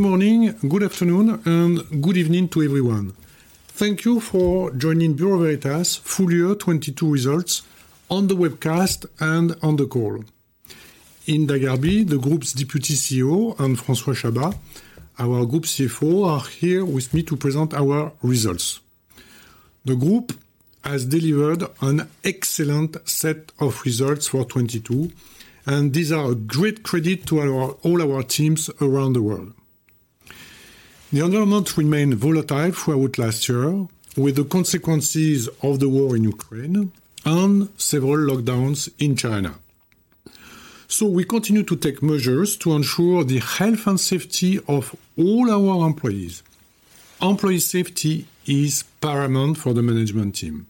Good morning, good afternoon, and good evening to everyone. Thank you for joining Bureau Veritas full year 2022 results on the webcast and on the call. Hinda Gharbi, the group's deputy CEO, and François Chabas, our group CFO, are here with me to present our results. The group has delivered an excellent set of results for 2022, these are a great credit to all our teams around the world. The environment remained volatile throughout last year with the consequences of the war in Ukraine and several lockdowns in China. We continue to take measures to ensure the health and safety of all our employees. Employee safety is paramount for the management team.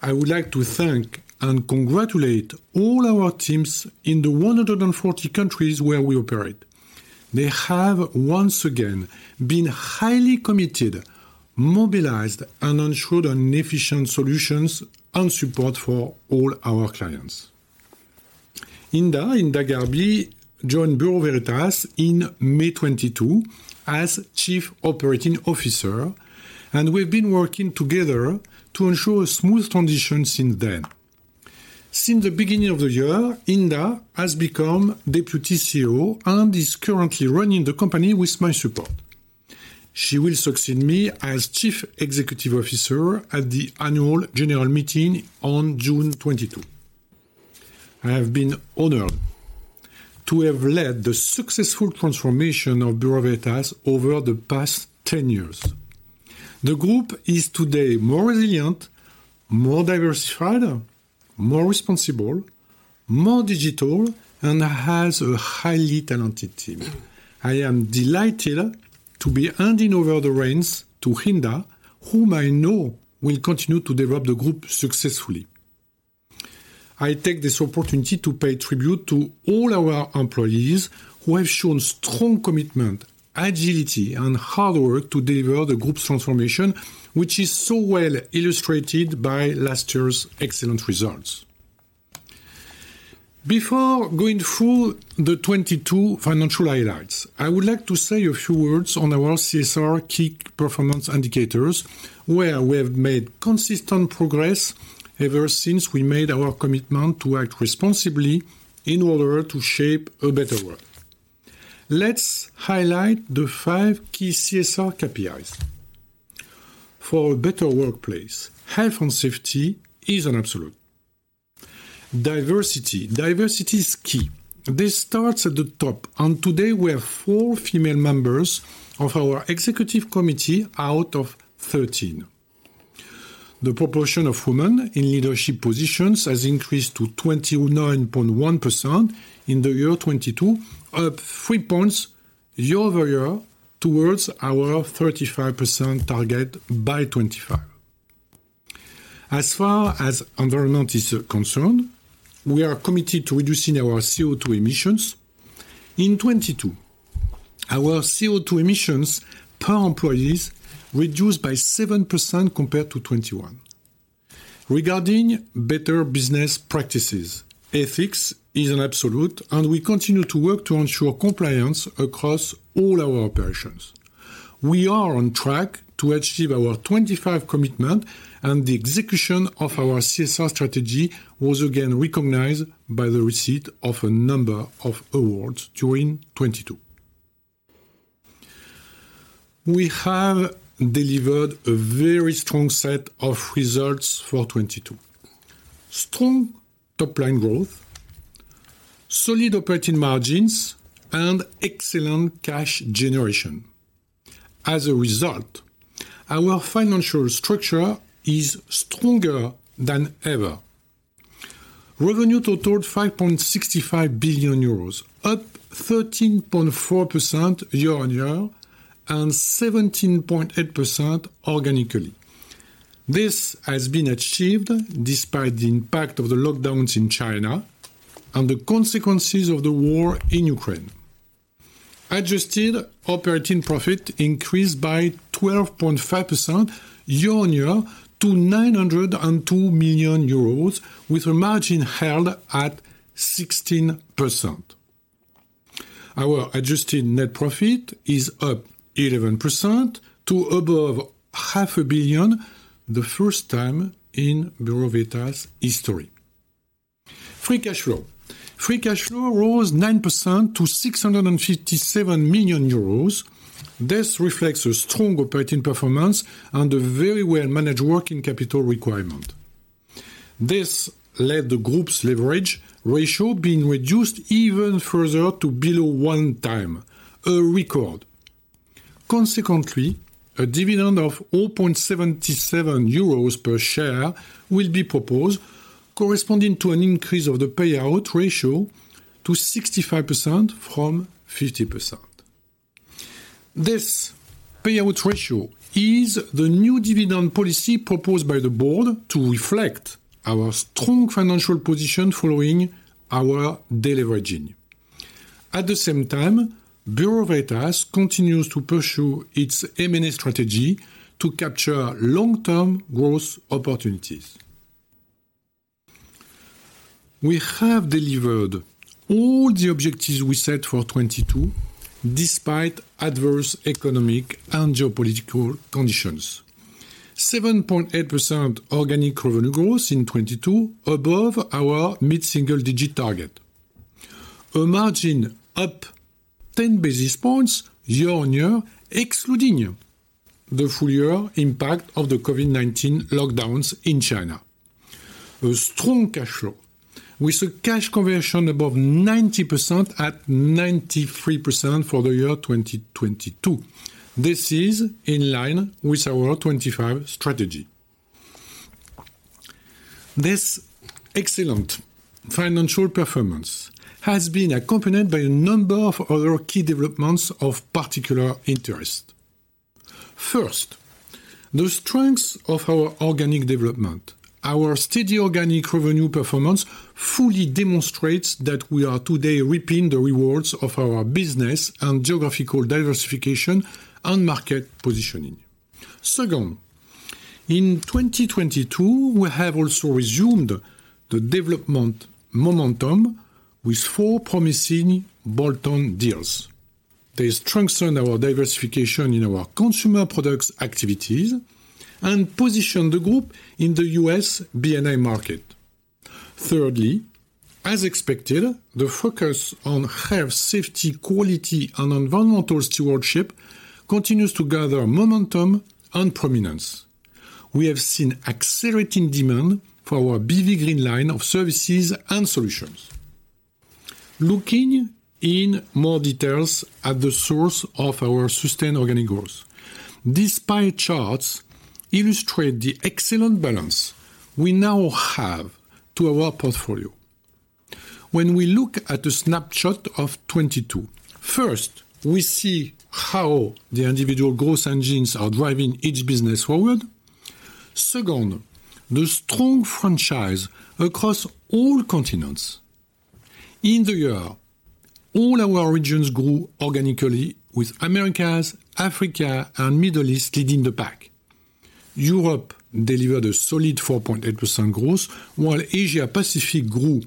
I would like to thank and congratulate all our teams in the 140 countries where we operate. They have once again been highly committed, mobilized, and ensured an efficient solutions and support for all our clients. Hinda Gharbi joined Bureau Veritas in May 2022 as Chief Operating Officer, and we've been working together to ensure a smooth transition since then. Since the beginning of the year, Hinda has become Deputy CEO and is currently running the company with my support. She will succeed me as Chief Executive Officer at the annual general meeting on June 22. I have been honored to have led the successful transformation of Bureau Veritas over the past 10 years. The group is today more resilient, more diversified, more responsible, more digital, and has a highly talented team. I am delighted to be handing over the reins to Hinda, whom I know will continue to develop the group successfully. I take this opportunity to pay tribute to all our employees who have shown strong commitment, agility, and hard work to deliver the group's transformation, which is so well illustrated by last year's excellent results. Before going through the 2022 financial highlights, I would like to say a few words on our CSR key performance indicators, where we have made consistent progress ever since we made our commitment to act responsibly in order to shape a better world. Let's highlight the five key CSR KPIs. For a better workplace, health and safety is an absolute. Diversity is key. This starts at the top, and today we have four female members of our executive committee out of 13. The proportion of women in leadership positions has increased to 29.1% in the year 2022, up 3 points year-over-year towards our 35% target by 2025. As far as environment is concerned, we are committed to reducing our CO2 emissions. In 2022, our CO2 emissions per employees reduced by 7% compared to 2021. Regarding better business practices, ethics is an absolute, and we continue to work to ensure compliance across all our operations. We are on track to achieve our 2025 commitment, and the execution of our CSR strategy was again recognized by the receipt of a number of awards during 2022. We have delivered a very strong set of results for 2022. Strong top-line growth, solid operating margins, and excellent cash generation. As a result, our financial structure is stronger than ever. Revenue totaled 5.65 billion euros, up 13.4% year-on-year and 17.8% organically. This has been achieved despite the impact of the lockdowns in China and the consequences of the war in Ukraine. Adjusted operating profit increased by 12.5% year-on-year to 902 million euros with a margin held at 16%. Our adjusted net profit is up 11% to above half a billion euros, the first time in Bureau Veritas history. Free cash flow. Free cash flow rose 9% to 657 million euros. This reflects a strong operating performance and a very well-managed working capital requirement. This led the group's leverage ratio being reduced even further to below one time, a record. Consequently, a dividend of all 0.77 euros per share will be proposed, corresponding to an increase of the payout ratio to 65% from 50%. This payout ratio is the new dividend policy proposed by the board to reflect our strong financial position following our deleveraging. At the same time, Bureau Veritas continues to pursue its M&A strategy to capture long-term growth opportunities. We have delivered all the objectives we set for 2022, despite adverse economic and geopolitical conditions. 7.8% organic revenue growth in 2022, above our mid-single digit target. A margin up 10 basis points year-on-year, excluding the full year impact of the COVID-19 lockdowns in China. A strong cash flow with a cash conversion above 90% at 93% for the year 2022. This is in line with our 2025 strategy. This excellent financial performance has been accompanied by a number of other key developments of particular interest. First, the strength of our organic development. Our steady organic revenue performance fully demonstrates that we are today reaping the rewards of our business and geographical diversification and market positioning. Second, in 2022, we have also resumed the development momentum with four promising bolt-on deals. They strengthen our diversification in our Consumer Products activities and position the group in the U.S. B&I market. Thirdly, as expected, the focus on health, safety, quality and environmental stewardship continues to gather momentum and prominence. We have seen accelerating demand for our BV Green Line of services and solutions. Looking in more details at the source of our sustained organic growth, these pie charts illustrate the excellent balance we now have to our portfolio. When we look at a snapshot of 2022, first, we see how the individual growth engines are driving each business forward. Second, the strong franchise across all continents. In the year, all our regions grew organically with Americas, Africa and Middle East leading the pack. Europe delivered a solid 4.8% growth, while Asia Pacific grew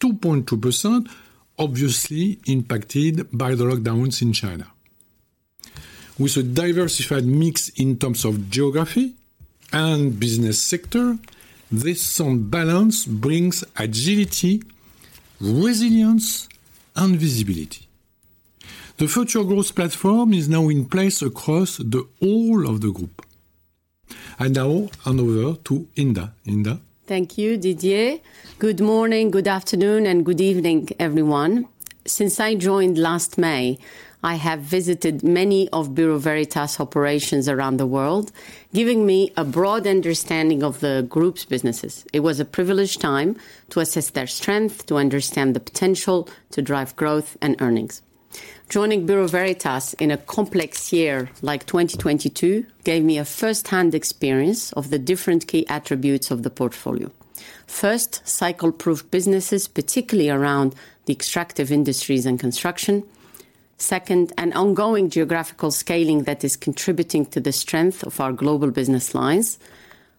2.2%, obviously impacted by the lockdowns in China. With a diversified mix in terms of geography and business sector, this sound balance brings agility, resilience, and visibility. The future growth platform is now in place across the whole of the group. Now, hand over to Hinda. Hinda? Thank you, Didier. Good morning, good afternoon, and good evening, everyone. Since I joined last May, I have visited many of Bureau Veritas operations around the world, giving me a broad understanding of the group's businesses. It was a privileged time to assess their strength, to understand the potential to drive growth and earnings. Joining Bureau Veritas in a complex year like 2022 gave me a first-hand experience of the different key attributes of the portfolio. First, cycle-proof businesses, particularly around the extractive industries and construction. Second, an ongoing geographical scaling that is contributing to the strength of our global business lines.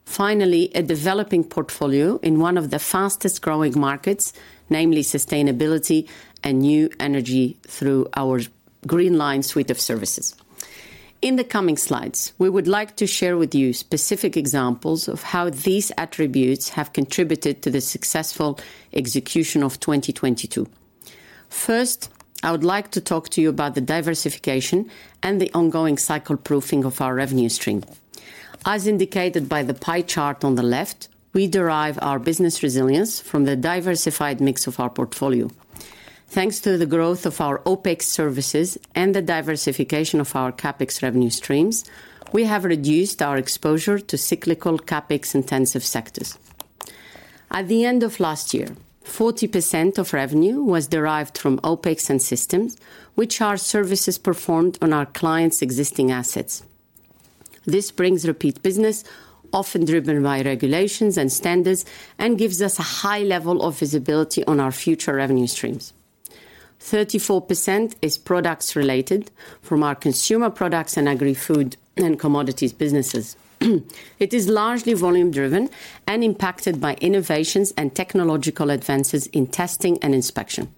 Finally, a developing portfolio in one of the fastest-growing markets, namely sustainability and new energy through our Green Line suite of services. In the coming slides, we would like to share with you specific examples of how these attributes have contributed to the successful execution of 2022. First, I would like to talk to you about the diversification and the ongoing cycle proofing of our revenue stream. As indicated by the pie chart on the left, we derive our business resilience from the diversified mix of our portfolio. Thanks to the growth of our OpEx services and the diversification of our CapEx revenue streams, we have reduced our exposure to cyclical CapEx intensive sectors. At the end of last year, 40% of revenue was derived from OpEx and systems, which are services performed on our clients' existing assets. This brings repeat business, often driven by regulations and standards, and gives us a high level of visibility on our future revenue streams. 34% is products related from our Consumer Products and Agri-Food & Commodities businesses. It is largely volume driven and impacted by innovations and technological advances in testing and inspection.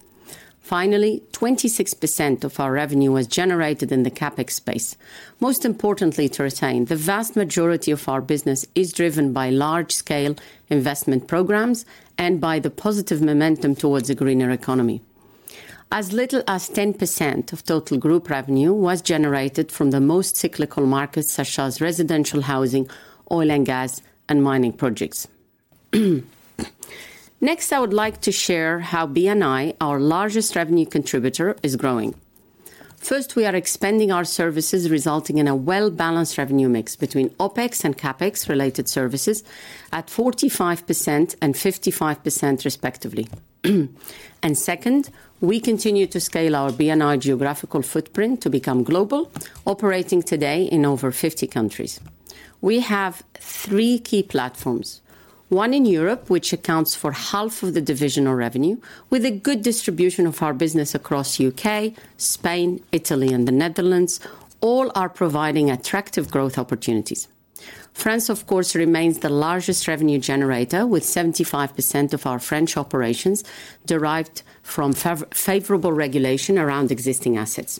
26% of our revenue was generated in the CapEx space. Most importantly, to retain, the vast majority of our business is driven by large scale investment programs and by the positive momentum towards a greener economy. As little as 10% of total group revenue was generated from the most cyclical markets, such as residential housing, oil and gas, and mining projects. I would like to share how B&I, our largest revenue contributor, is growing. We are expanding our services, resulting in a well-balanced revenue mix between OpEx and CapEx related services at 45% and 55%, respectively. Second, we continue to scale our B&I geographical footprint to become global, operating today in over 50 countries. We have three key platforms, one in Europe, which accounts for half of the divisional revenue with a good distribution of our business across U.K., Spain, Italy and the Netherlands. All are providing attractive growth opportunities. France, of course, remains the largest revenue generator, with 75% of our French operations derived from favorable regulation around existing assets.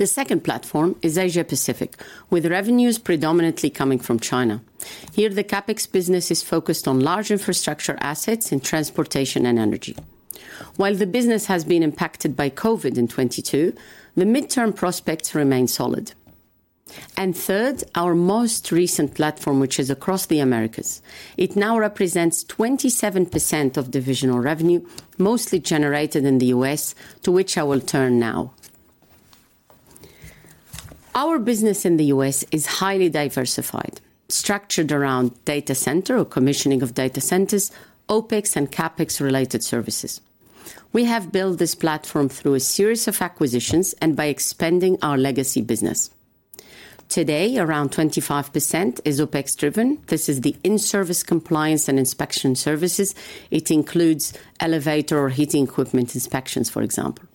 The second platform is Asia Pacific, with revenues predominantly coming from China. Here, the CapEx business is focused on large infrastructure assets in transportation and energy. While the business has been impacted by COVID in 2022, the midterm prospects remain solid. Third, our most recent platform, which is across the Americas. It now represents 27% of divisional revenue, mostly generated in the U.S., to which I will turn now. Our business in the U.S. is highly diversified, structured around data center or commissioning of data centers, OpEx and CapEx-related services. We have built this platform through a series of acquisitions and by expanding our legacy business. Today, around 25% is OpEx driven. This is the in-service compliance and inspection services. It includes elevator or heating equipment inspections, for example.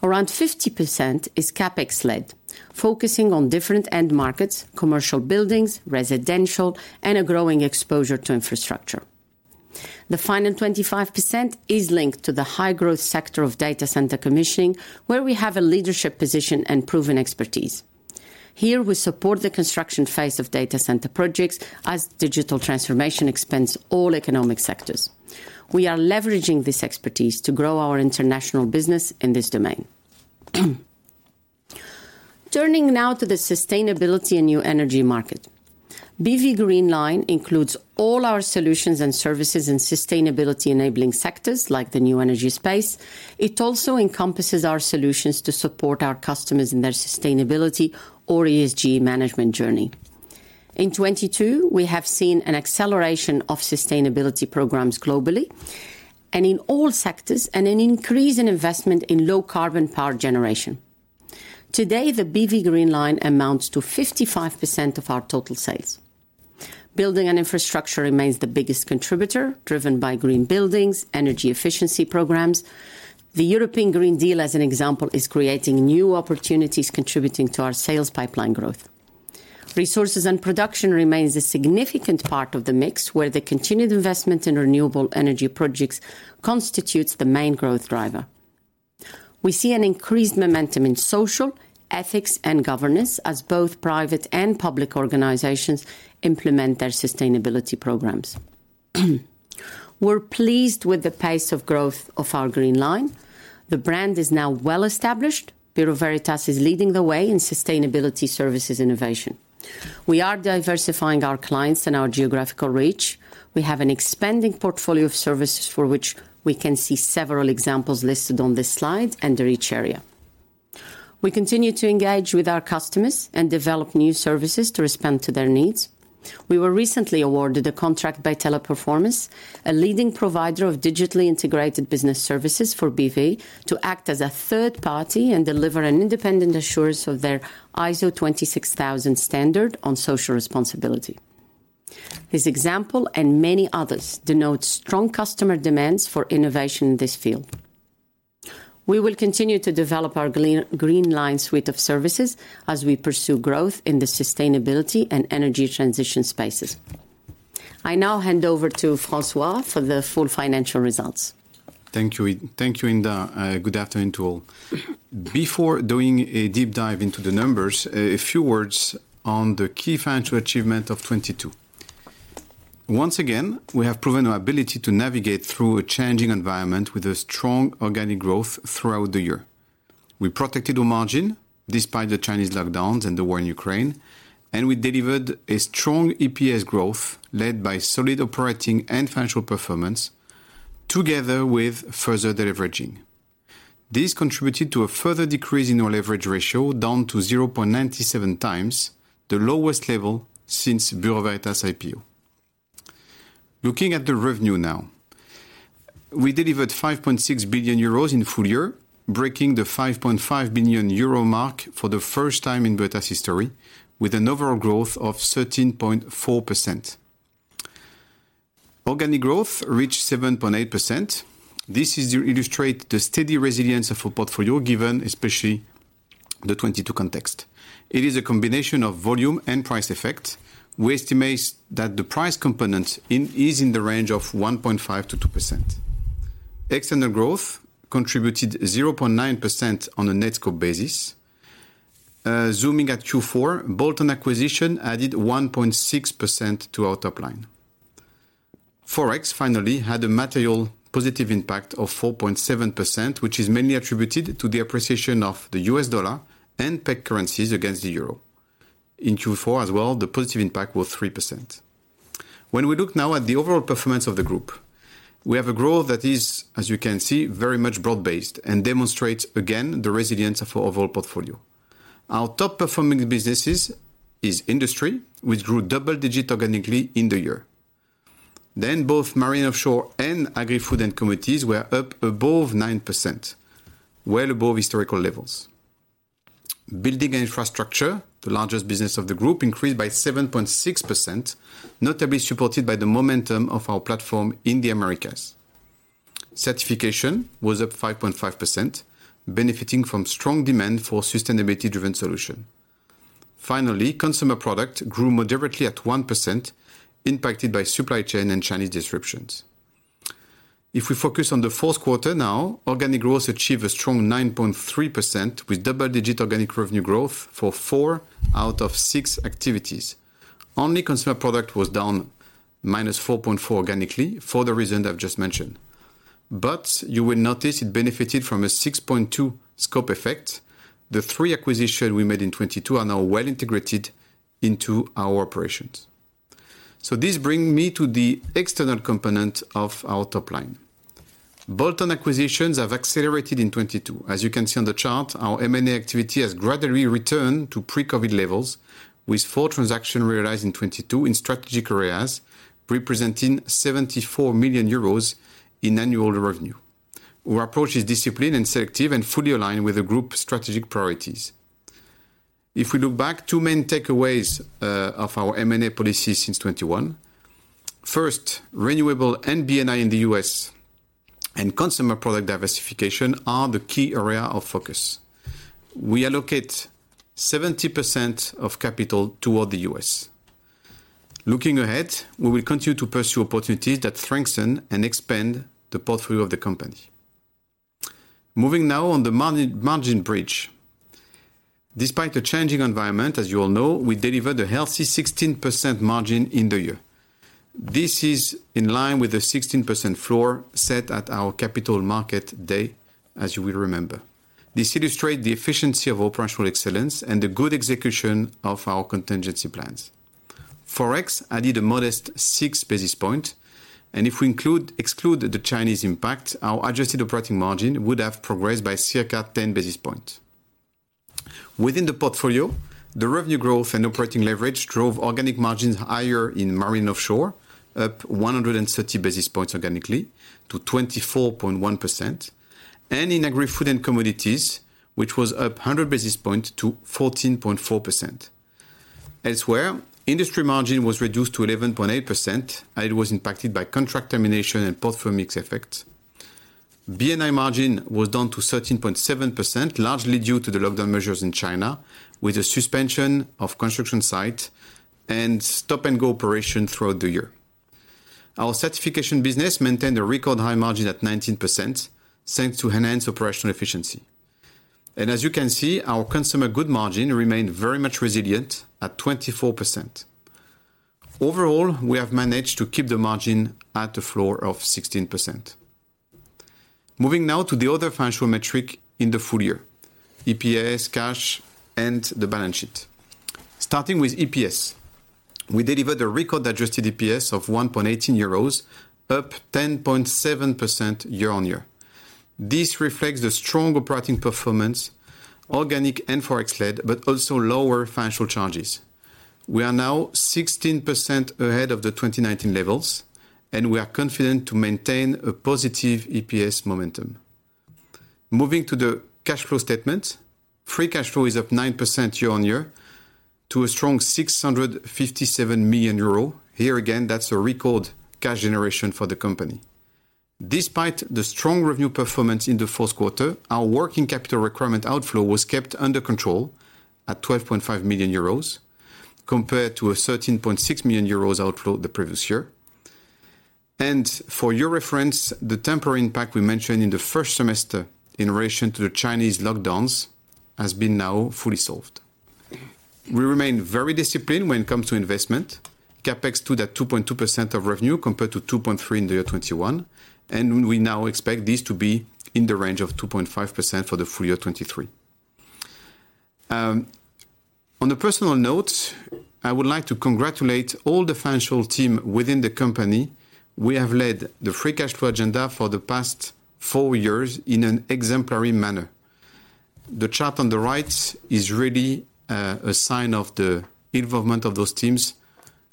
Around 50% is CapEx led, focusing on different end markets, commercial buildings, residential, and a growing exposure to infrastructure. The final 25% is linked to the high growth sector of data center commissioning, where we have a leadership position and proven expertise. Here, we support the construction phase of data center projects as digital transformation expands all economic sectors. We are leveraging this expertise to grow our international business in this domain. Turning now to the sustainability and new energy market. BV Green Line includes all our solutions and services in sustainability-enabling sectors, like the new energy space. It also encompasses our solutions to support our customers in their sustainability or ESG management journey. In 2022, we have seen an acceleration of sustainability programs globally and in all sectors, and an increase in investment in low carbon power generation. Today, the BV Green Line amounts to 55% of our total sales. Building and Infrastructure remains the biggest contributor, driven by green buildings, energy efficiency programs. The European Green Deal, as an example, is creating new opportunities contributing to our sales pipeline growth. Resources and production remains a significant part of the mix, where the continued investment in renewable energy projects constitutes the main growth driver. We see an increased momentum in social, ethics, and governance as both private and public organizations implement their sustainability programs. We're pleased with the pace of growth of our Green Line. The brand is now well-established. Bureau Veritas is leading the way in sustainability services innovation. We are diversifying our clients and our geographical reach. We have an expanding portfolio of services for which we can see several examples listed on this slide and the reach area. We continue to engage with our customers and develop new services to respond to their needs. We were recently awarded a contract by Teleperformance, a leading provider of digitally integrated business services for BV, to act as a third party and deliver an independent assurance of their ISO 26000 standard on social responsibility. This example, and many others, denotes strong customer demands for innovation in this field. We will continue to develop our Green Line suite of services as we pursue growth in the sustainability and energy transition spaces. I now hand over to François for the full financial results. Thank you. Thank you, Hinda. Good afternoon to all. Before doing a deep dive into the numbers, a few words on the key financial achievement of 2022. Once again, we have proven our ability to navigate through a changing environment with a strong organic growth throughout the year. We protected our margin despite the Chinese lockdowns and the war in Ukraine. We delivered a strong EPS growth led by solid operating and financial performance, together with further deleveraging. This contributed to a further decrease in our leverage ratio, down to 0.97 times, the lowest level since Bureau Veritas' IPO. Looking at the revenue now. We delivered 5.6 billion euros in full year, breaking the 5.5 billion euro mark for the first time in Veritas history, with an overall growth of 13.4%. Organic growth reached 7.8%. This is to illustrate the steady resilience of our portfolio, given especially the 2022 context. It is a combination of volume and price effect. We estimate that the price component is in the range of 1.5%-2%. External growth contributed 0.9% on a net scope basis. Zooming at Q4, bolt-on acquisition added 1.6% to our top line. Forex finally had a material positive impact of 4.7%, which is mainly attributed to the appreciation of the U.S. dollar and peg currencies against the euro. In Q4 as well, the positive impact was 3%. We look now at the overall performance of the group, we have a growth that is, as you can see, very much broad-based and demonstrates, again, the resilience of our overall portfolio. Our top performing businesses is Industry, which grew double-digit organically in the year. Both Marine & Offshore and Agri-Food & Commodities were up above 9%, well above historical levels. Building & Infrastructure, the largest business of the group, increased by 7.6%, notably supported by the momentum of our platform in the Americas. Certification was up 5.5%, benefiting from strong demand for sustainability-driven solution. Consumer Products grew moderately at 1%, impacted by supply chain and Chinese disruptions. If we focus on the fourth quarter now, organic growth achieved a strong 9.3% with double-digit organic revenue growth for four out of six activities. Only Consumer Products was down -4.4% organically for the reason I've just mentioned. You will notice it benefited from a 6.2% scope effect. The thre acquisition we made in 2022 are now well integrated into our operations. This bring me to the external component of our top line. Bolt-on acquisitions have accelerated in 2022. As you can see on the chart, our M&A activity has gradually returned to pre-COVID levels with four transaction realized in 2022 in strategic areas, representing 74 million euros in annual revenue. Our approach is disciplined and selective and fully aligned with the group strategic priorities. If we look back, two main takeaways of our M&A policy since 2021. First, renewable and B&I in the U.S. and Consumer Products diversification are the key area of focus. We allocate 70% of capital toward the U.S. Looking ahead, we will continue to pursue opportunities that strengthen and expand the portfolio of the company. Moving now on the margin bridge. Despite the changing environment, as you all know, we delivered a healthy 16% margin in the year. This is in line with the 16% floor set at our Capital Markets Day, as you will remember. This illustrate the efficiency of operational excellence and the good execution of our contingency plans. Forex added a modest 6 basis points, and if we exclude the Chinese impact, our adjusted operating margin would have progressed by circa 10 basis points. Within the portfolio, the revenue growth and operating leverage drove organic margins higher in Marine & Offshore, up 130 basis points organically to 24.1%, and in Agri-Food & Commodities, which was up 100 basis points to 14.4%. Elsewhere, Industry margin was reduced to 11.8%. It was impacted by contract termination and portfolio mix effect. B&I margin was down to 13.7%, largely due to the lockdown measures in China, with the suspension of construction site and stop and go operation throughout the year. Our certification business maintained a record high margin at 19%, thanks to enhanced operational efficiency. As you can see, our consumer goods margin remained very much resilient at 24%. Overall, we have managed to keep the margin at the floor of 16%. Moving now to the other financial metric in the full year: EPS, cash, and the balance sheet. Starting with EPS, we delivered a record-adjusted EPS of 1.18 euros, up 10.7% year-on-year. This reflects the strong operating performance, organic and forex-led, also lower financial charges. We are now 16% ahead of the 2019 levels, and we are confident to maintain a positive EPS momentum. Moving to the cash flow statement, free cash flow is up 9% year-on-year to a strong 657 million euro. Here again, that's a record cash generation for the company. Despite the strong revenue performance in the fourth quarter, our working capital requirement outflow was kept under control at 12.5 million euros compared to a 13.6 million euros outflow the previous year. For your reference, the temporary impact we mentioned in the first semester in relation to the Chinese lockdowns has been now fully solved. We remain very disciplined when it comes to investment. CapEx stood at 2.2% of revenue compared to 2.3% in the year 2021. We now expect this to be in the range of 2.5% for the full year 2023. On a personal note, I would like to congratulate all the financial team within the company. We have led the free cash flow agenda for the past four years in an exemplary manner. The chart on the right is really a sign of the involvement of those teams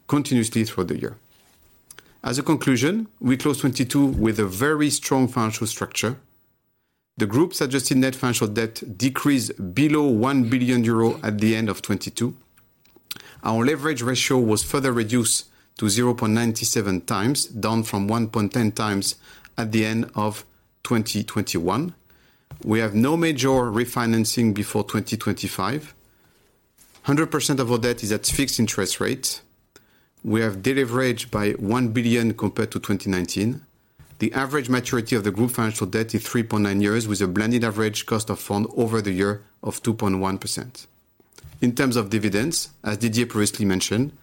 continuously through the year. As a conclusion, we closed 2022 with a very strong financial structure. The group's adjusted net financial debt decreased below 1 billion euro at the end of 2022. Our leverage ratio was further reduced to 0.97 times, down from 1.10 times at the end of 2021. We have no major refinancing before 2025. 100% of our debt is at fixed interest rate. We have deleveraged by 1 billion compared to 2019. The average maturity of the group financial debt is 3.9 years with a blended average cost of fund over the year of 2.1%. In terms of dividends, as Didier previously mentioned,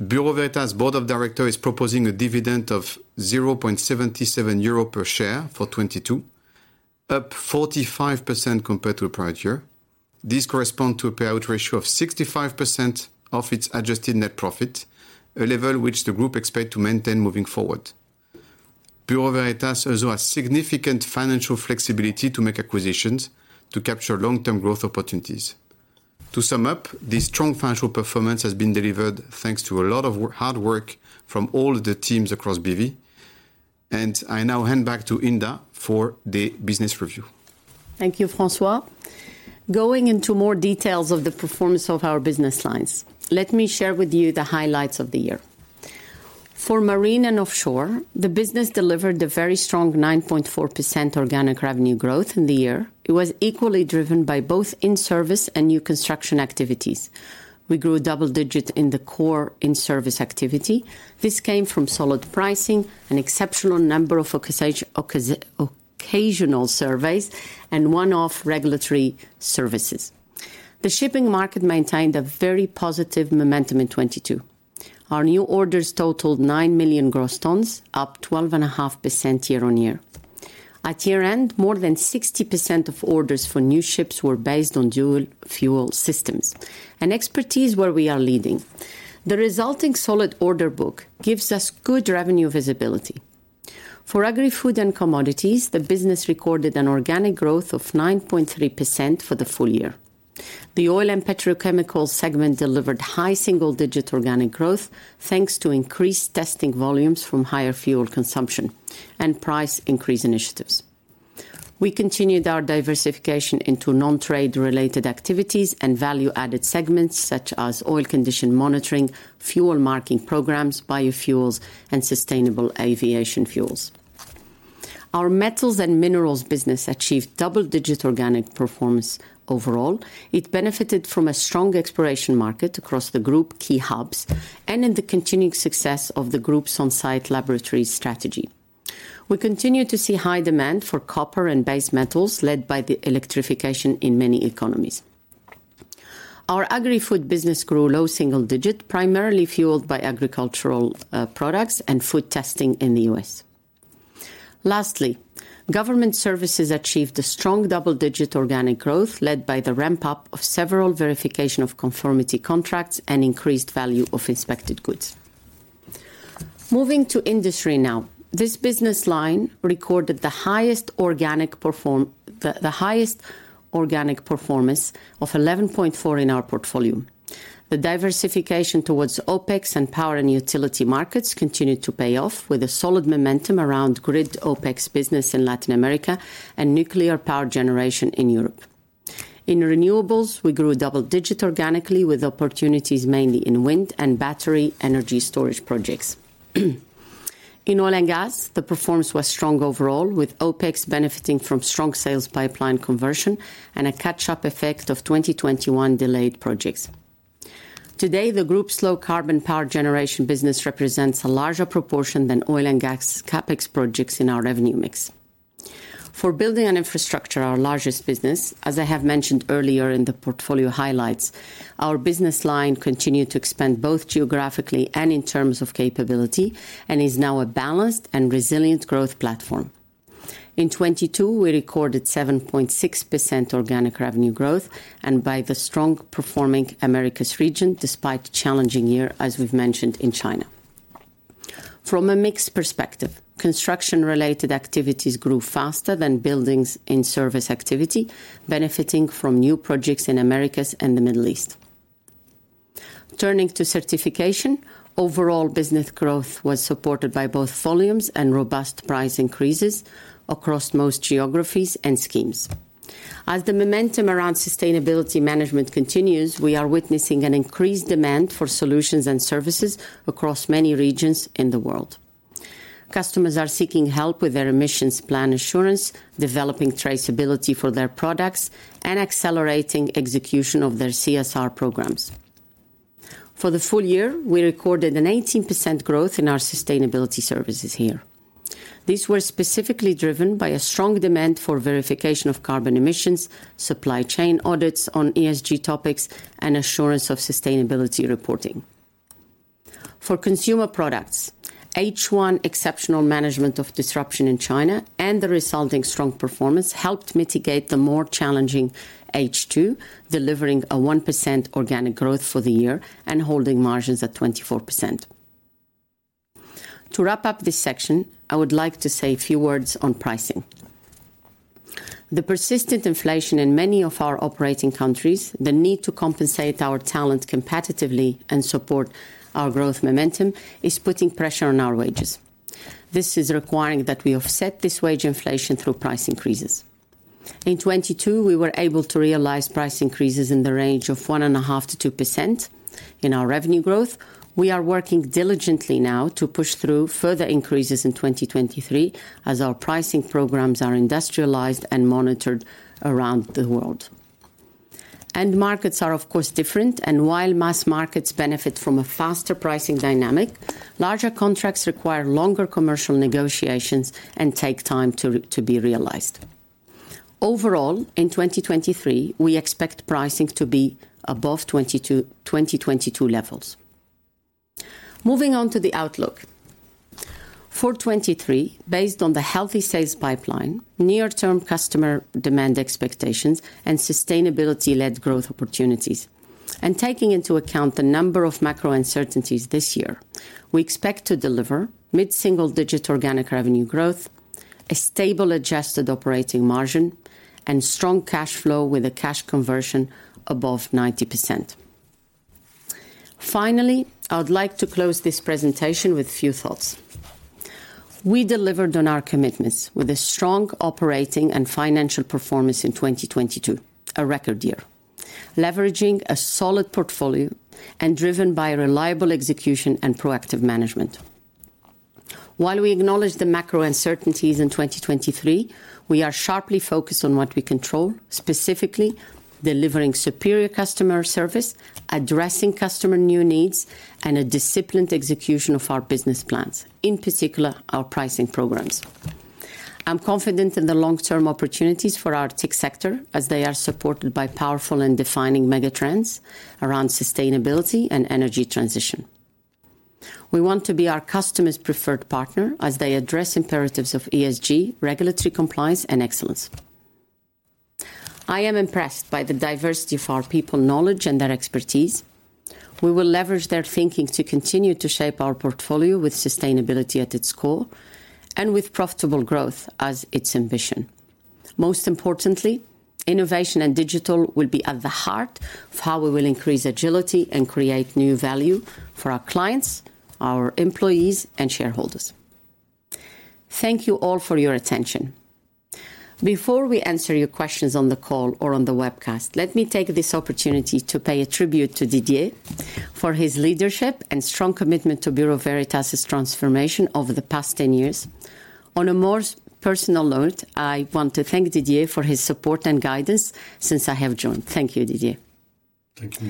Bureau Veritas Board of Directors is proposing a dividend of 0.77 euro per share for 2022, up 45% compared to prior year. This correspond to a payout ratio of 65% of its adjusted net profit, a level which the group expect to maintain moving forward. Bureau Veritas also has significant financial flexibility to make acquisitions to capture long-term growth opportunities. To sum up, this strong financial performance has been delivered thanks to a lot of hard work from all the teams across BV. I now hand back to Hinda Gharbi for the business review. Thank you, François. Going into more details of the performance of our business lines, let me share with you the highlights of the year. For Marine & Offshore, the business delivered a very strong 9.4% organic revenue growth in the year. It was equally driven by both in-service and new construction activities. We grew double digits in the core in-service activity. This came from solid pricing, an exceptional number of Occasional surveys and one-off regulatory services. The shipping market maintained a very positive momentum in 2022. Our new orders totaled 9 million gross tons, up 12.5% year-on-year. At year-end, more than 60% of orders for new ships were based on dual fuel systems, an expertise where we are leading. The resulting solid order book gives us good revenue visibility. For Agri-Food & Commodities, the business recorded an organic growth of 9.3% for the full year. The oil and petrochemical segment delivered high single-digit organic growth, thanks to increased testing volumes from higher fuel consumption and price increase initiatives. We continued our diversification into non-trade related activities and value-added segments, such as oil condition monitoring, fuel marking programs, biofuels, and sustainable aviation fuels. Our metals and minerals business achieved double-digit organic performance overall. It benefited from a strong exploration market across the group key hubs and in the continuing success of the group's on-site laboratory strategy. We continue to see high demand for copper and base metals, led by the electrification in many economies. Our Agri-Food business grew low single digit, primarily fueled by agricultural products and food testing in the U.S. Lastly, government services achieved a strong double-digit organic growth led by the ramp-up of several Verification of Conformity contracts and increased value of inspected goods. Moving to Industry now. This business line recorded the highest organic performance of 11.4% in our portfolio. The diversification towards OpEx and power and utility markets continued to pay off with a solid momentum around grid OpEx business in Latin America and nuclear power generation in Europe. In renewables, we grew double-digit organically with opportunities mainly in wind and battery energy storage projects. In oil and gas, the performance was strong overall, with OpEx benefiting from strong sales pipeline conversion and a catch-up effect of 2021 delayed projects. Today, the group's low carbon power generation business represents a larger proportion than oil and gas CapEx projects in our revenue mix. For Building & Infrastructure, our largest business, as I have mentioned earlier in the portfolio highlights, our business line continued to expand both geographically and in terms of capability and is now a balanced and resilient growth platform. In 2022, we recorded 7.6% organic revenue growth and by the strong performing Americas region, despite challenging year, as we've mentioned in China. From a mixed perspective, construction related activities grew faster than buildings in service activity, benefiting from new projects in Americas and the Middle East. Turning to Certification, overall business growth was supported by both volumes and robust price increases across most geographies and schemes. As the momentum around sustainability management continues, we are witnessing an increased demand for solutions and services across many regions in the world. Customers are seeking help with their emissions plan assurance, developing traceability for their products, and accelerating execution of their CSR programs. For the full year, we recorded an 18% growth in our sustainability services here. These were specifically driven by a strong demand for verification of carbon emissions, supply chain audits on ESG topics, and assurance of sustainability reporting. For Consumer Products, H1 exceptional management of disruption in China and the resulting strong performance helped mitigate the more challenging H2, delivering a 1% organic growth for the year and holding margins at 24%. To wrap up this section, I would like to say a few words on pricing. The persistent inflation in many of our operating countries, the need to compensate our talent competitively and support our growth momentum is putting pressure on our wages. This is requiring that we offset this wage inflation through price increases. In 2022, we were able to realize price increases in the range of 1.5%-2% in our revenue growth. We are working diligently now to push through further increases in 2023 as our pricing programs are industrialized and monitored around the world. End markets are of course different. While mass markets benefit from a faster pricing dynamic, larger contracts require longer commercial negotiations and take time to be realized. Overall, in 2023, we expect pricing to be above 2022 levels. Moving on to the outlook. For 2023, based on the healthy sales pipeline, near-term customer demand expectations, and sustainability-led growth opportunities, and taking into account the number of macro uncertainties this year, we expect to deliver mid-single-digit organic revenue growth, a stable adjusted operating margin, and strong cash flow with a cash conversion above 90%. Finally, I would like to close this presentation with a few thoughts. We delivered on our commitments with a strong operating and financial performance in 2022, a record year, leveraging a solid portfolio and driven by reliable execution and proactive management. While we acknowledge the macro uncertainties in 2023, we are sharply focused on what we control, specifically delivering superior customer service, addressing customer new needs, and a disciplined execution of our business plans, in particular, our pricing programs. I'm confident in the long-term opportunities for our tech sector as they are supported by powerful and defining mega trends around sustainability and energy transition. We want to be our customers' preferred partner as they address imperatives of ESG, regulatory compliance, and excellence. I am impressed by the diversity of our people knowledge and their expertise. We will leverage their thinking to continue to shape our portfolio with sustainability at its core and with profitable growth as its ambition. Most importantly, innovation and digital will be at the heart of how we will increase agility and create new value for our clients, our employees, and shareholders. Thank you all for your attention. Before we answer your questions on the call or on the webcast, let me take this opportunity to pay a tribute to Didier for his leadership and strong commitment to Bureau Veritas' transformation over the past 10 years. On a more personal note, I want to thank Didier for his support and guidance since I have joined. Thank you, Didier. Thank you,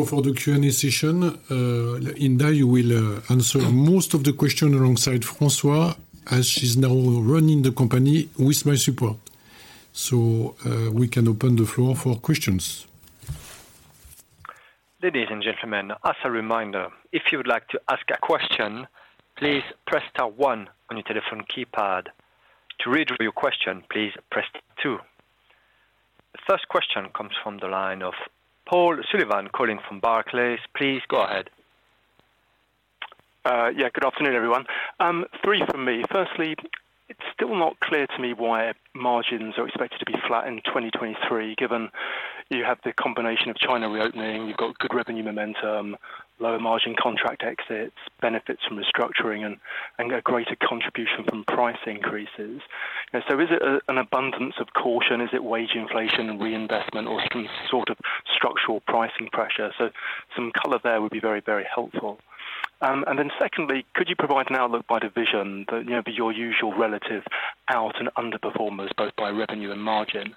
Hinda. For the Q&A session, Hinda, you will answer most of the question alongside François, as she's now running the company with my support. We can open the floor for questions. Ladies and gentlemen, as a reminder, if you would like to ask a question, please press star one on your telephone keypad. To withdraw your question, please press two. The first question comes from the line of Paul Sullivan calling from Barclays. Please go ahead. Yeah, good afternoon, everyone. Three from me. Firstly, it's still not clear to me why margins are expected to be flat in 2023, given you have the combination of China reopening, you've got good revenue momentum, lower margin contract exits, benefits from restructuring and a greater contribution from price increases. Is it an abundance of caution? Is it wage inflation and reinvestment or some sort of structural pricing pressure? Some color there would be very, very helpful. Secondly, could you provide an outlook by division that, you know, be your usual relative out and underperformers, both by revenue and margin?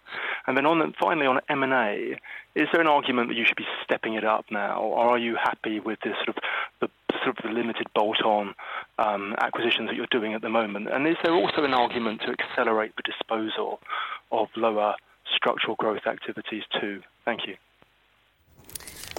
On, finally, on M&A, is there an argument that you should be stepping it up now, or are you happy with this sort of the limited bolt-on acquisitions that you're doing at the moment? Is there also an argument to accelerate the disposal of lower structural growth activities too? Thank you.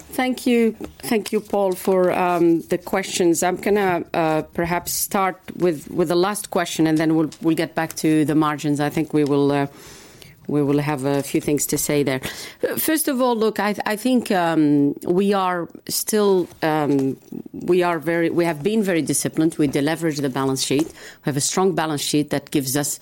Thank you. Thank you, Paul, for the questions. I'm gonna perhaps start with the last question, then we'll get back to the margins. I think we will have a few things to say there. First of all, look, I think we are still We have been very disciplined. We deleveraged the balance sheet. We have a strong balance sheet that gives us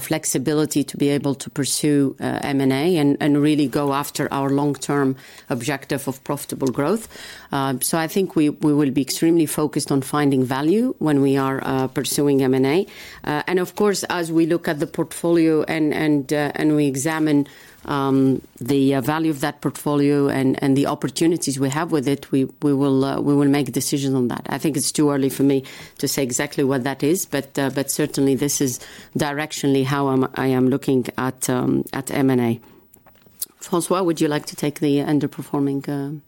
flexibility to be able to pursue M&A and really go after our long-term objective of profitable growth. I think we will be extremely focused on finding value when we are pursuing M&A. Of course, as we look at the portfolio and we examine, the value of that portfolio and the opportunities we have with it, we will make decisions on that. I think it's too early for me to say exactly what that is, but certainly this is directionally how I am looking at M&A. François, would you like to take the underperforming,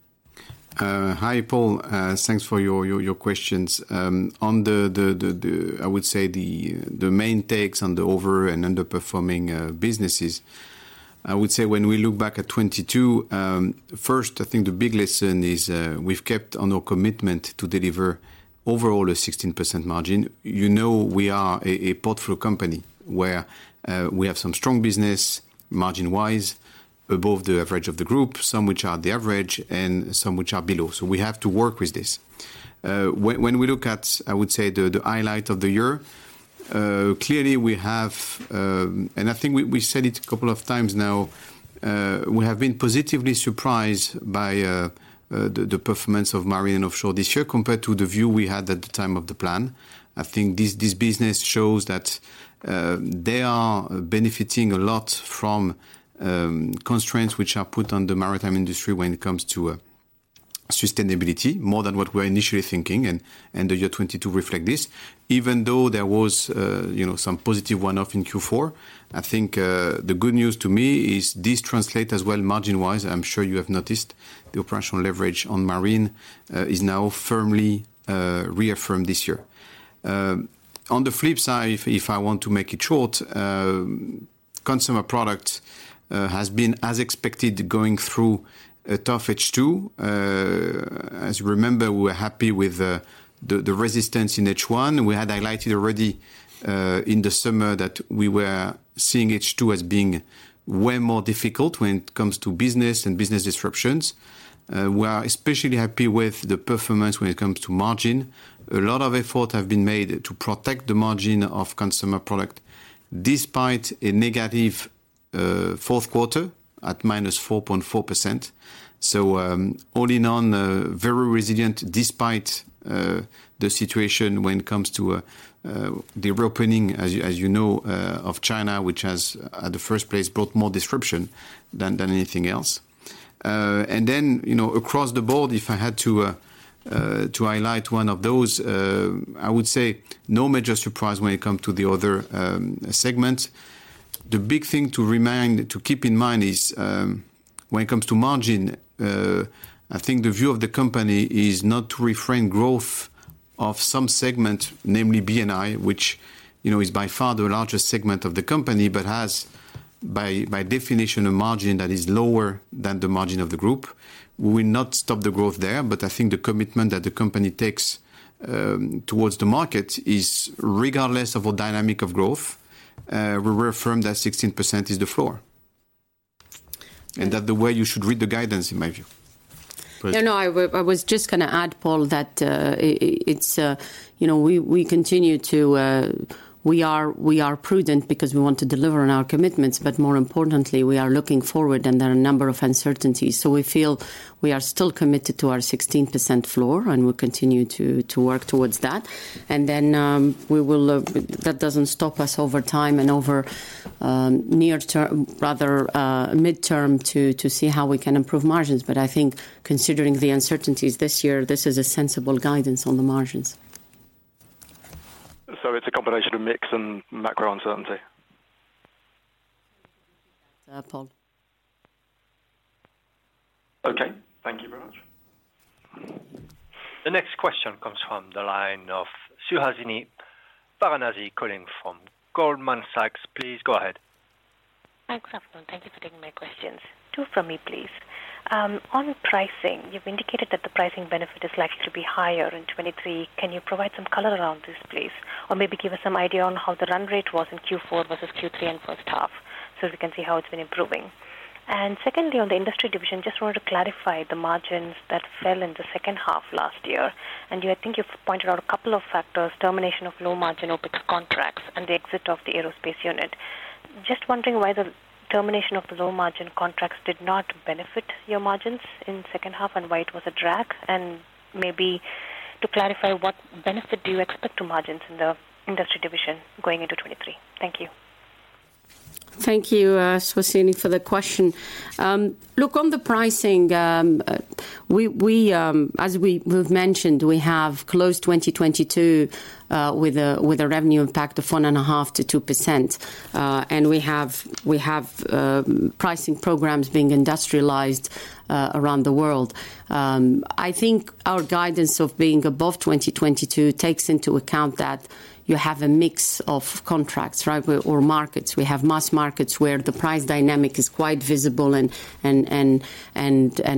Hi, Paul. Thanks for your questions. On the I would say the main takes on the over and underperforming businesses, I would say when we look back at 22, first, I think the big lesson is, we've kept on our commitment to deliver overall a 16% margin. You know we are a portfolio company, where we have some strong business margin-wise above the average of the group, some which are the average and some which are below. We have to work with this. When, when we look at, I would say, the highlight of the year, clearly we have. I think we said it a couple of times now, we have been positively surprised by the performance of Marine & Offshore this year compared to the view we had at the time of the plan. I think this business shows that they are benefiting a lot from constraints which are put on the maritime industry when it comes to sustainability, more than what we're initially thinking and the year 2022 reflect this. Even though there was, you know, some positive one-off in Q4, I think the good news to me is this translate as well margin-wise. I'm sure you have noticed the operational leverage on Marine is now firmly reaffirmed this year. On the flip side, if I want to make it short, Consumer Products has been as expected going through a tough H2. As you remember, we were happy with the resistance in H1. We had highlighted already in the summer that we were seeing H2 as being way more difficult when it comes to business and business disruptions. We are especially happy with the performance when it comes to margin. A lot of effort have been made to protect the margin of Consumer Products despite a negative fourth quarter at -4.4%. All in all, very resilient despite the situation when it comes to the reopening, as you know, of China, which has, at the first place, brought more disruption than anything else. you know, across the board, if I had to highlight one of those, I would say no major surprise when it come to the other segments. The big thing to keep in mind is, When it comes to margin, I think the view of the company is not to refrain growth of some segment, namely B&I, which, you know, is by far the largest segment of the company, but has by definition, a margin that is lower than the margin of the group. We will not stop the growth there, but I think the commitment that the company takes towards the market is regardless of what dynamic of growth, we're firm that 16% is the floor. Okay. That the way you should read the guidance, in my view. Please. No, no, I was just gonna add, Paul, that it's, you know. We are prudent because we want to deliver on our commitments, more importantly, we are looking forward and there are a number of uncertainties. We feel we are still committed to our 16% floor, and we'll continue to work towards that. We will, that doesn't stop us over time and over, rather, midterm to see how we can improve margins. I think considering the uncertainties this year, this is a sensible guidance on the margins. It's a combination of mix and macro uncertainty. Paul. Okay. Thank you very much. The next question comes from the line of Suhasini Varanasi calling from Goldman Sachs. Please go ahead. Thanks, everyone. Thank you for taking my questions. Two from me, please. On pricing, you've indicated that the pricing benefit is likely to be higher in 2023. Can you provide some color around this, please? Or maybe give us some idea on how the run rate was in Q4 versus Q3 and H1, so we can see how it's been improving. Secondly, on the industry division, just wanted to clarify the margins that fell in H2 last year. I think you've pointed out a couple of factors, termination of low-margin OpEx contracts and the exit of the aerospace unit. Just wondering why the termination of the low-margin contracts did not benefit your margins in H2 and why it was a drag? Maybe to clarify, what benefit do you expect to margins in the Industry division going into 2023? Thank you. Thank you, Suhasini, for the question. Look, on the pricing, we've mentioned, we have closed 2022 with a revenue impact of 1.5%-2%. We have pricing programs being industrialized around the world. I think our guidance of being above 2022 takes into account that you have a mix of contracts, right? Or markets. We have mass markets where the price dynamic is quite visible and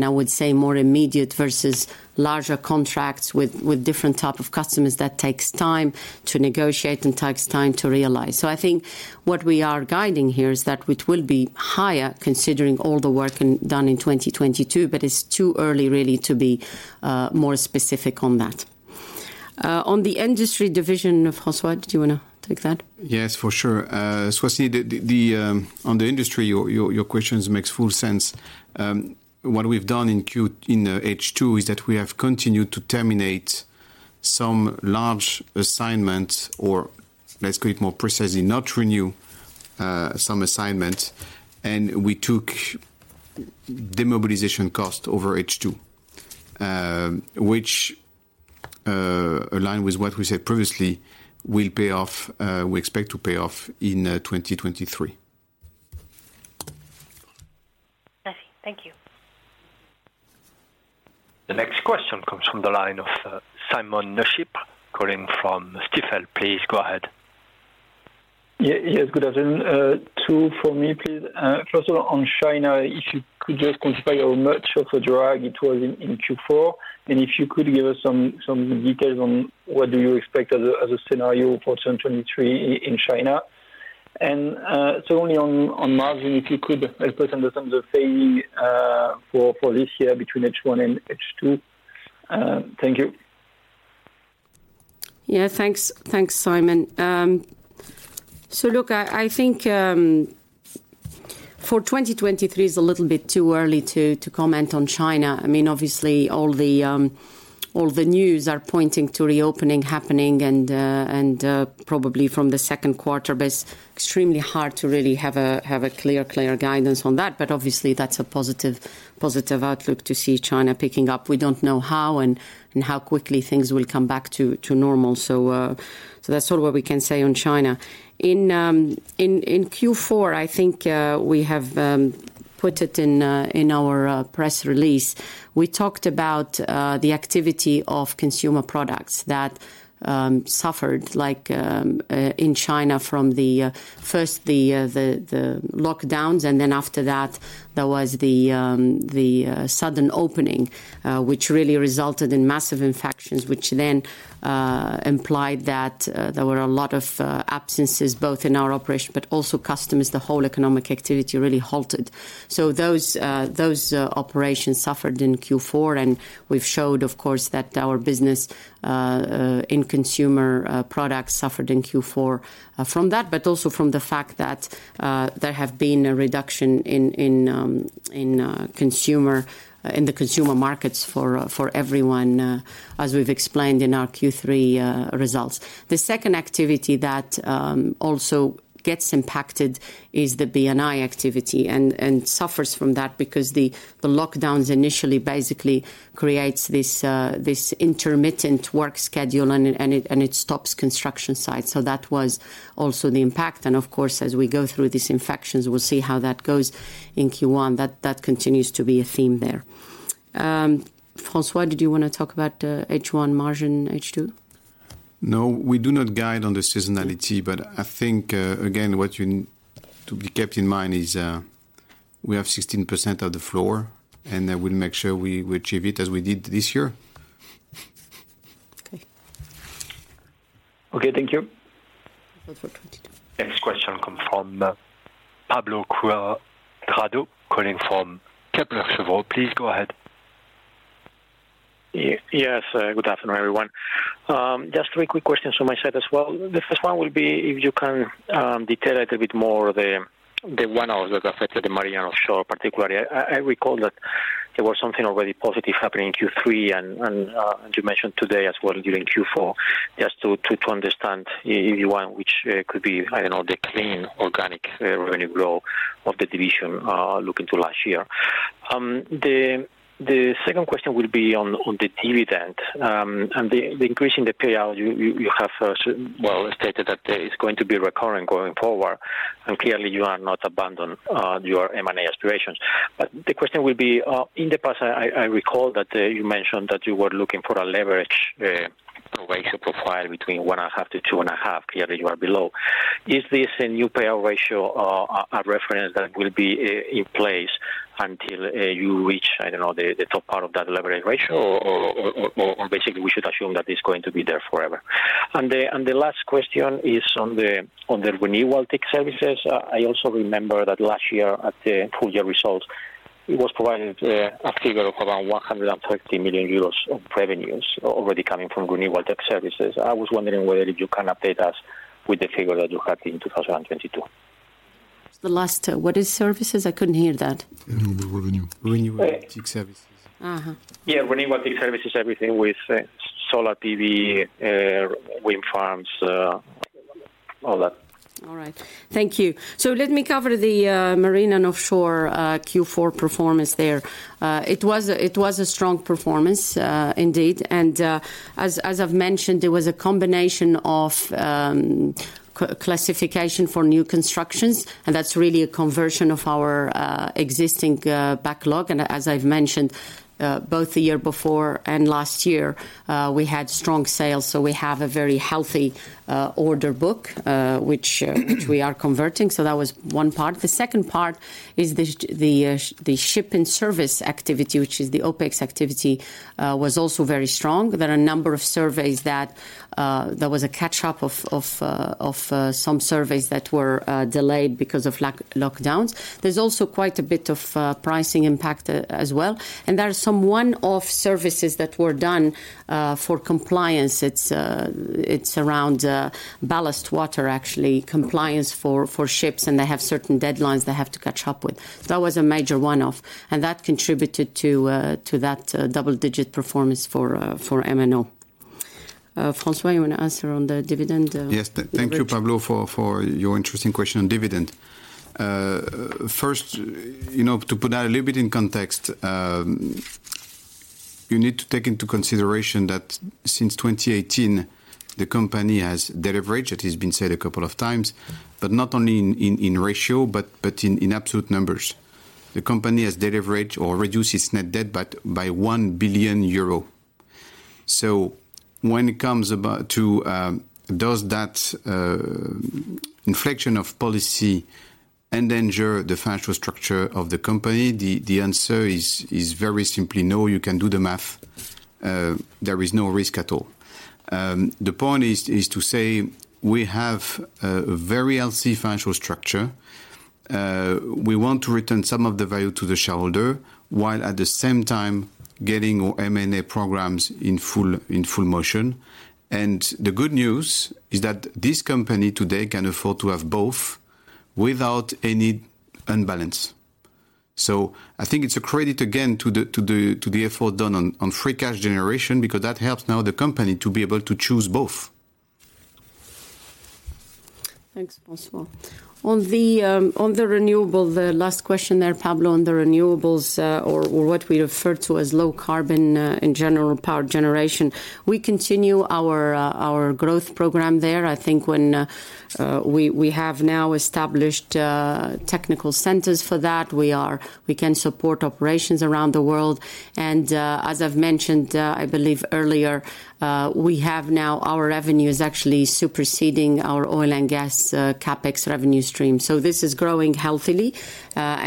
I would say more immediate versus larger contracts with different type of customers that takes time to negotiate and takes time to realize. I think what we are guiding here is that it will be higher considering all the work done in 2022, but it's too early really to be more specific on that. On the Industry division, François, do you wanna take that? Yes, for sure. Suhasini, the Industry, your questions makes full sense. What we've done in H2 is that we have continued to terminate some large assignments or, let's put it more precisely, not renew some assignments. We took demobilization costs over H2, which aligned with what we said previously, will pay off, we expect to pay off in 2023. Merci. Thank you. The next question comes from the line of Simon Lechipre calling from Stifel. Please go ahead. Yes. Good afternoon. Two for me, please. First of all on China, if you could just confirm how much of a drag it was in Q4. If you could give us some details on what do you expect as a scenario for 2023 in China. Only on margin, if you could help us understand the fading for this year between H1 and H2. Thank you. Thanks, Simon. Look, I think for 2023 it's a little bit too early to comment on China. I mean, obviously all the news are pointing to reopening happening and probably from the second quarter. It's extremely hard to really have a clear guidance on that. Obviously that's a positive outlook to see China picking up. We don't know how and how quickly things will come back to normal. That's all what we can say on China. In Q4, I think we have put it in our press release. We talked about the activity of Consumer Products that suffered like in China from the first the lockdowns. After that, there was the sudden opening which really resulted in massive infections, which implied that there were a lot of absences, both in our operation, but also customers. The whole economic activity really halted. Those operations suffered in Q4, and we've showed, of course, that our business in Consumer Products suffered in Q4 from that, but also from the fact that there have been a reduction in consumer in the consumer markets for everyone, as we've explained in our Q3 results. The second activity that also gets impacted is the B&I activity and suffers from that because The lockdowns initially basically creates this intermittent work schedule and it stops construction sites. That was also the impact. Of course, as we go through these infections, we'll see how that goes in Q1. That continues to be a theme there. Francois, did you wanna talk about H1 margin, H2? No. We do not guide on the seasonality, but I think, again, what you need to be kept in mind is, we have 16% of the floor, and then we'll make sure we achieve it as we did this year. Okay. Thank you. That's okay. Next question come from, Pablo Cuadrado, calling from Kepler Cheuvreux Please go ahead. Yes. good afternoon, everyone. just three quick questions from my side as well. The first one will be if you can detail a little bit more the one-offs that affected the Marine & Offshore particularly. I recall that there was something already positive happening in Q3 and you mentioned today as well during Q4. Just to understand if you want, which could be, I don't know, the clean organic revenue growth of the division looking to last year. The second question would be on the dividend. The increase in the payout, you have well stated that it's going to be recurring going forward. Clearly you have not abandoned your M&A aspirations. The question would be, in the past, I recall that you mentioned that you were looking for a leverage ratio profile between 1.5-2.5. Clearly you are below. Is this a new payout ratio, a reference that will be in place until you reach, I don't know, the top part of that leverage ratio or basically we should assume that it's going to be there forever? The last question is on the renewable tech services. I also remember that last year at the full year results, it was provided a figure of around 130 million euros of revenues already coming from renewable tech services. I was wondering whether you can update us with the figure that you had in 2022. The last, what is services? I couldn't hear that. Renewable revenue. Renewable tech services. Uh-huh. Yeah. Renewable tech services, everything with solar PV, wind farms, all that. All right. Thank you. Let me cover the Marine & Offshore Q4 performance there. It was a strong performance indeed. As I've mentioned, there was a combination of classification for new constructions, and that's really a conversion of our existing backlog. As I've mentioned, both the year before and last year, we had strong sales, so we have a very healthy order book, which we are converting. That was one part. The second part is the ship and service activity, which is the OpEx activity, was also very strong. There are a number of surveys that there was a catch-up of some surveys that were delayed because of lockdowns. There's also quite a bit of pricing impact as well. There are some one-off services that were done for compliance. It's, it's around ballast water actually, compliance for ships, and they have certain deadlines they have to catch up with. That was a major one-off, and that contributed to that double-digit performance for M&O. François, you wanna answer on the dividend leverage? Yes. Thank you, Pablo, for your interesting question on dividend. First, you know, to put that a little bit in context, you need to take into consideration that since 2018 the company has deleveraged, it has been said a couple of times, but not only in ratio, but in absolute numbers. The company has deleveraged or reduced its net debt by 1 billion euro. When it comes about to, does that inflection of policy endanger the financial structure of the company? The answer is very simply no. You can do the math. There is no risk at all. The point is to say we have a very healthy financial structure. We want to return some of the value to the shareholder, while at the same time getting our M&A programs in full motion. The good news is that this company today can afford to have both without any unbalance. I think it's a credit again to the, to the, to the effort done on free cash generation because that helps now the company to be able to choose both. Thanks, François. On the, on the renewable, the last question there, Pablo, on the renewables, or what we refer to as low carbon, in general power generation. We continue our growth program there. I think when, we have now established, technical centers for that. We can support operations around the world. As I've mentioned, I believe earlier, we have now our revenue is actually superseding our oil and gas, CapEx revenue stream. This is growing healthily,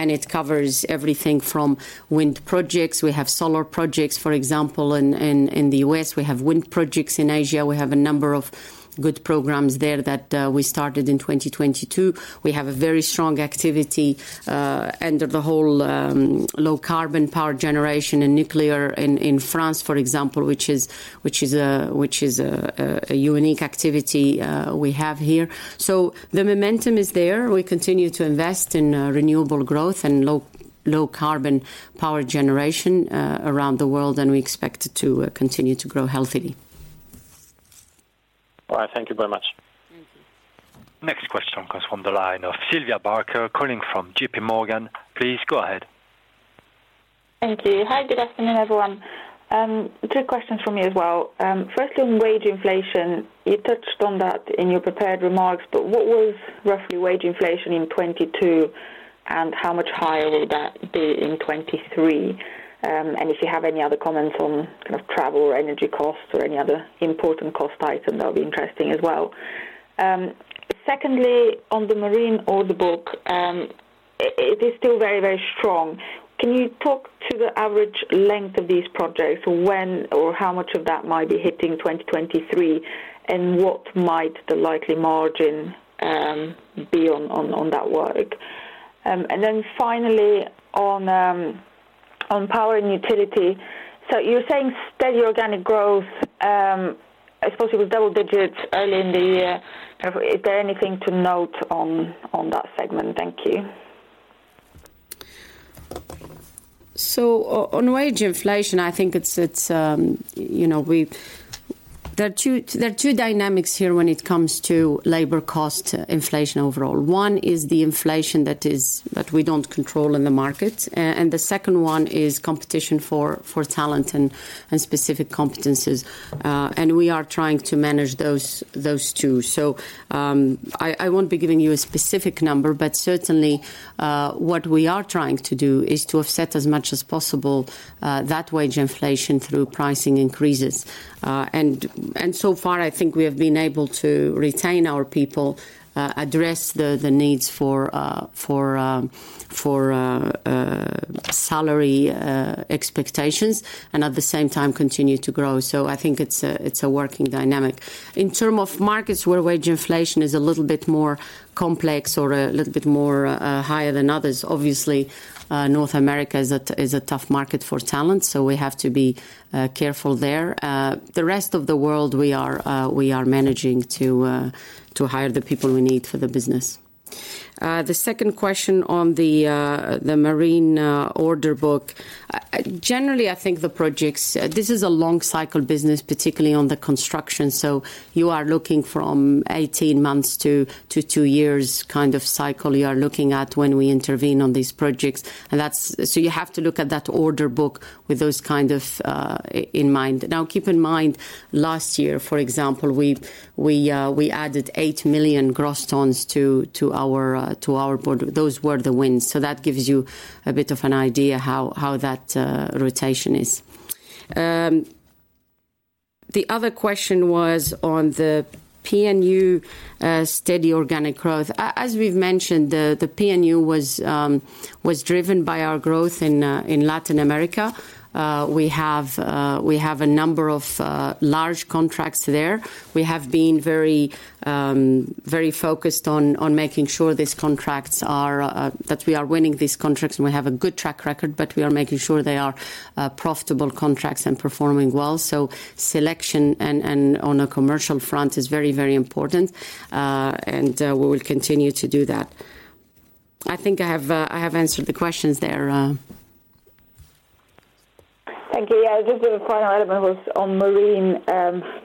and it covers everything from wind projects. We have solar projects, for example, in, in the U.S. We have wind projects in Asia. We have a number of good programs there that, we started in 2022. We have a very strong activity under the whole low carbon power generation and nuclear in France, for example, which is a unique activity we have here. The momentum is there. We continue to invest in renewable growth and low carbon power generation around the world, and we expect it to continue to grow healthily. All right. Thank you very much. On the line of Sylvia Barker calling from JPMorgan Please go ahead. Thank you. Hi, good afternoon, everyone. Two questions from me as well. First on wage inflation, you touched on that in your prepared remarks, but what was roughly wage inflation in 22, and how much higher will that be in 23? If you have any other comments on kind of travel or energy costs or any other important cost item, that'll be interesting as well. Secondly, on the marine order book, it is still very, very strong. Can you talk to the average length of these projects? When or how much of that might be hitting 2023, and what might the likely margin be on that work? Finally on power and utility. You're saying steady organic growth, I suppose it was double digits early in the year. Is there anything to note on that segment? Thank you. On wage inflation, I think it's, you know. There are two dynamics here when it comes to labor cost inflation overall. One is the inflation that is, that we don't control in the market. And the second one is competition for talent and specific competencies. And we are trying to manage those two. I won't be giving you a specific number, but certainly, what we are trying to do is to offset as much as possible, that wage inflation through pricing increases. And so far, I think we have been able to retain our people, address the needs for salary expectations and at the same time continue to grow. I think it's a, it's a working dynamic. In term of markets where wage inflation is a little bit more complex or a little bit more higher than others, obviously, North America is a tough market for talent, so we have to be careful there. The rest of the world, we are managing to hire the people we need for the business. The second question on the marine order book. Generally, I think This is a long cycle business, particularly on the construction. You are looking from 18 months to two years kind of cycle you are looking at when we intervene on these projects. you have to look at that order book with those kind of in mind. Keep in mind, last year, for example, we added 8 million gross tons to our board. Those were the wins. That gives you a bit of an idea how that rotation is. The other question was on the PNU, steady organic growth. As we've mentioned, the PNU was driven by our growth in Latin America. We have a number of large contracts there. We have been very focused on making sure these contracts are that we are winning these contracts, and we have a good track record, but we are making sure they are profitable contracts and performing well. Selection and on a commercial front is very important, and we will continue to do that. I think I have answered the questions there. Thank you. Yeah, just the final element was on marine,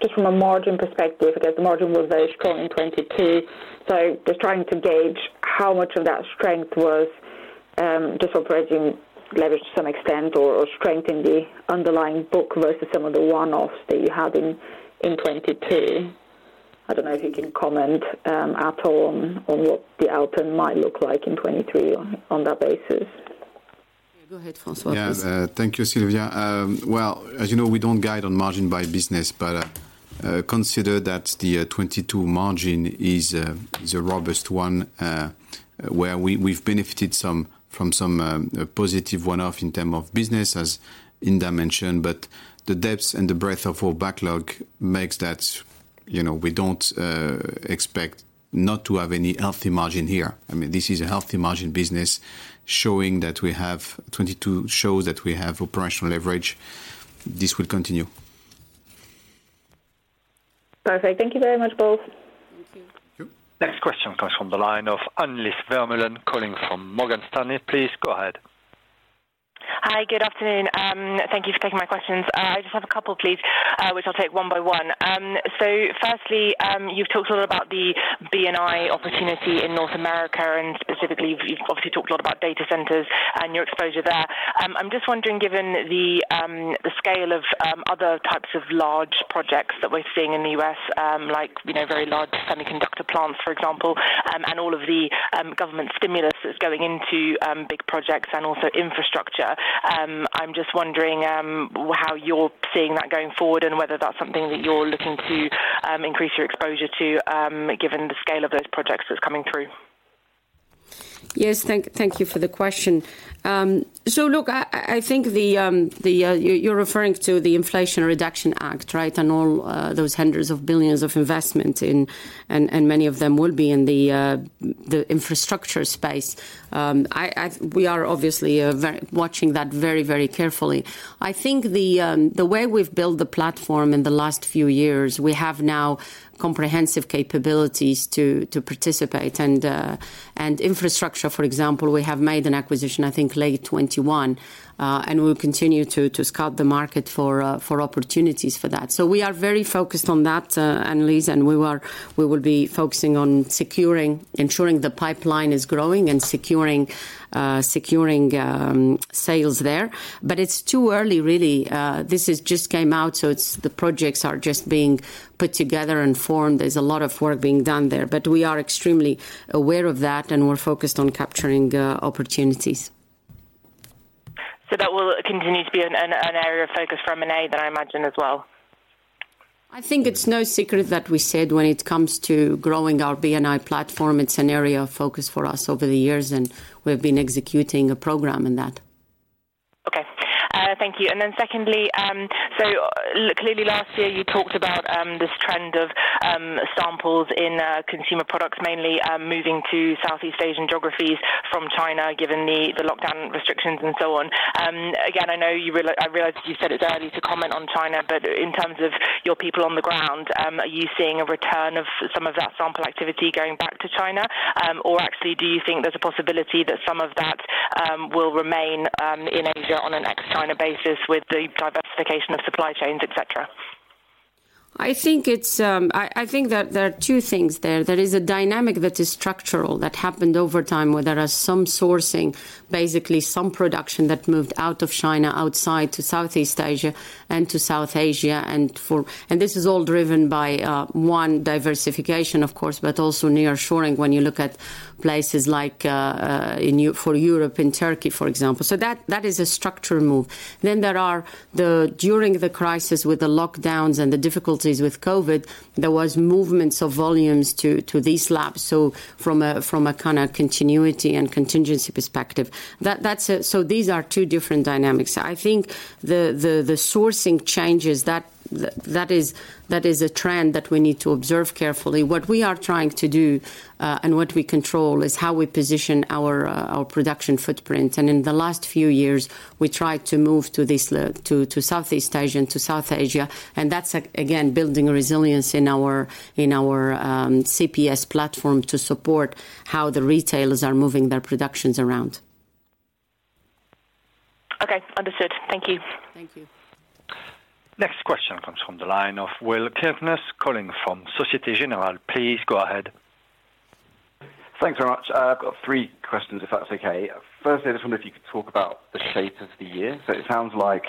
just from a margin perspective, because the margin was very strong in 2022. Just trying to gauge how much of that strength was, just operating leverage to some extent or strength in the underlying book versus some of the one-offs that you had in 2022. I don't know if you can comment, at all on what the outcome might look like in 2023 on that basis. Go ahead, François. Yeah. Thank you, Silvia. Well, as you know, we don't guide on margin by business, but consider that the 2022 margin is a robust one, where we've benefited from some positive one-off in term of business, as Inder mentioned. The depths and the breadth of our backlog makes that, you know, we don't expect not to have any healthy margin here. I mean, this is a healthy margin business showing that we have... 2022 shows that we have operational leverage. This will continue. Perfect. Thank you very much, both. Thank you. Thank you. Next question comes from the line of Annelies Vermeulen calling from Morgan Stanley. Please go ahead. Hi, good afternoon. Thank you for taking my questions. I just have a couple, please, which I'll take one by one. Firstly, you've talked a lot about the B&I opportunity in North America, and specifically, you've obviously talked a lot about data centers and your exposure there. I'm just wondering, given the scale of other types of large projects that we're seeing in the U.S., like, you know, very large semiconductor plants, for example, and all of the government stimulus that's going into big projects and also infrastructure, I'm just wondering, how you're seeing that going forward and whether that's something that you're looking to increase your exposure to, given the scale of those projects that's coming through? Yes. Thank you for the question. So look, I think the you're referring to the Inflation Reduction Act, right? All those hundreds of billions of investment and many of them will be in the infrastructure space. I, we are obviously watching that very carefully. I think the way we've built the platform in the last few years, we have now comprehensive capabilities to participate. Infrastructure, for example, we have made an acquisition, I think, late 2021. We'll continue to scout the market for opportunities for that. We are very focused on that, Annelies, and we will be focusing on securing ensuring the pipeline is growing and securing sales there. It's too early, really. This has just came out, so the projects are just being put together and formed. There's a lot of work being done there. We are extremely aware of that, and we're focused on capturing opportunities. That will continue to be an area of focus for M&A then, I imagine, as well? I think it's no secret that we said when it comes to growing our B&I platform, it's an area of focus for us over the years, and we've been executing a program in that. Okay. Thank you. Secondly, so clearly last year you talked about this trend of samples in Consumer Products, mainly, moving to Southeast Asian geographies from China, given the lockdown restrictions and so on. Again, I know you realize you said it's early to comment on China, but in terms of your people on the ground, are you seeing a return of some of that sample activity going back to China? Actually, do you think there's a possibility that some of that will remain in Asia on an ex-China basis with the diversification of supply chains, et cetera? I think it's, I think that there are two things there. There is a dynamic that is structural, that happened over time, where there are some sourcing, basically some production that moved out of China outside to Southeast Asia and to South Asia and for. This is all driven by, one, diversification, of course, but also nearshoring, when you look at places like, in for Europe and Turkey, for example. That, that is a structural move. During the crisis with the lockdowns and the difficulties with COVID, there was movements of volumes to these labs, so from a, from a kind of continuity and contingency perspective. That, that's it. These are two different dynamics. I think the sourcing changes that is, that is a trend that we need to observe carefully. What we are trying to do, and what we control is how we position our production footprint. In the last few years, we tried to move to this to Southeast Asia and to South Asia, and that's again, building resilience in our, in our, CPS platform to support how the retailers are moving their productions around. Okay. Understood. Thank you. Thank you. Next question comes from the line of Will Kirkness calling from Société Générale. Please go ahead. Thanks very much. I've got three questions, if that's okay. I just wonder if you could talk about the shape of the year. It sounds like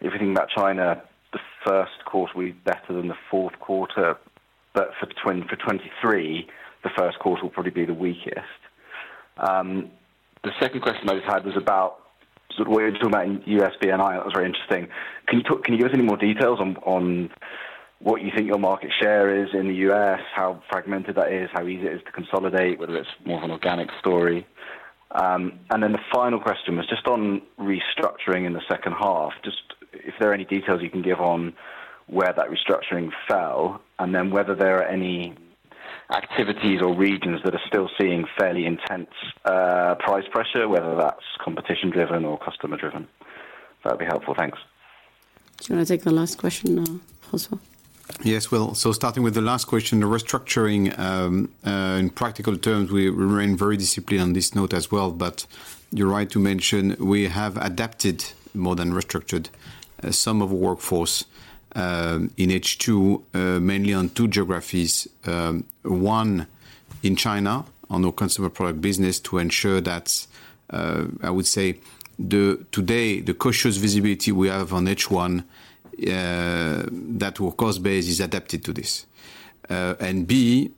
if you think about China, the first quarter will be better than the fourth quarter. For 2023, the first quarter will probably be the weakest. The second question I just had was about sort of when you're talking about U.S. B&I, that was very interesting. Can you give us any more details on what you think your market share is in the U.S., how fragmented that is, how easy it is to consolidate, whether it's more of an organic story? The final question was just on restructuring in the second half. Just if there are any details you can give on where that restructuring fell, and then whether there are any activities or regions that are still seeing fairly intense, price pressure, whether that's competition driven or customer driven. That'd be helpful. Thanks. Do you wanna take the last question now, François? Yes. Well, starting with the last question, the restructuring, in practical terms, we remain very disciplined on this note as well. You're right to mention we have adapted more than restructured some of the workforce in H2, mainly on two geographies. One in China, on our Consumer Products business to ensure that, I would say today, the cautious visibility we have on H1, that our cost base is adapted to this. B,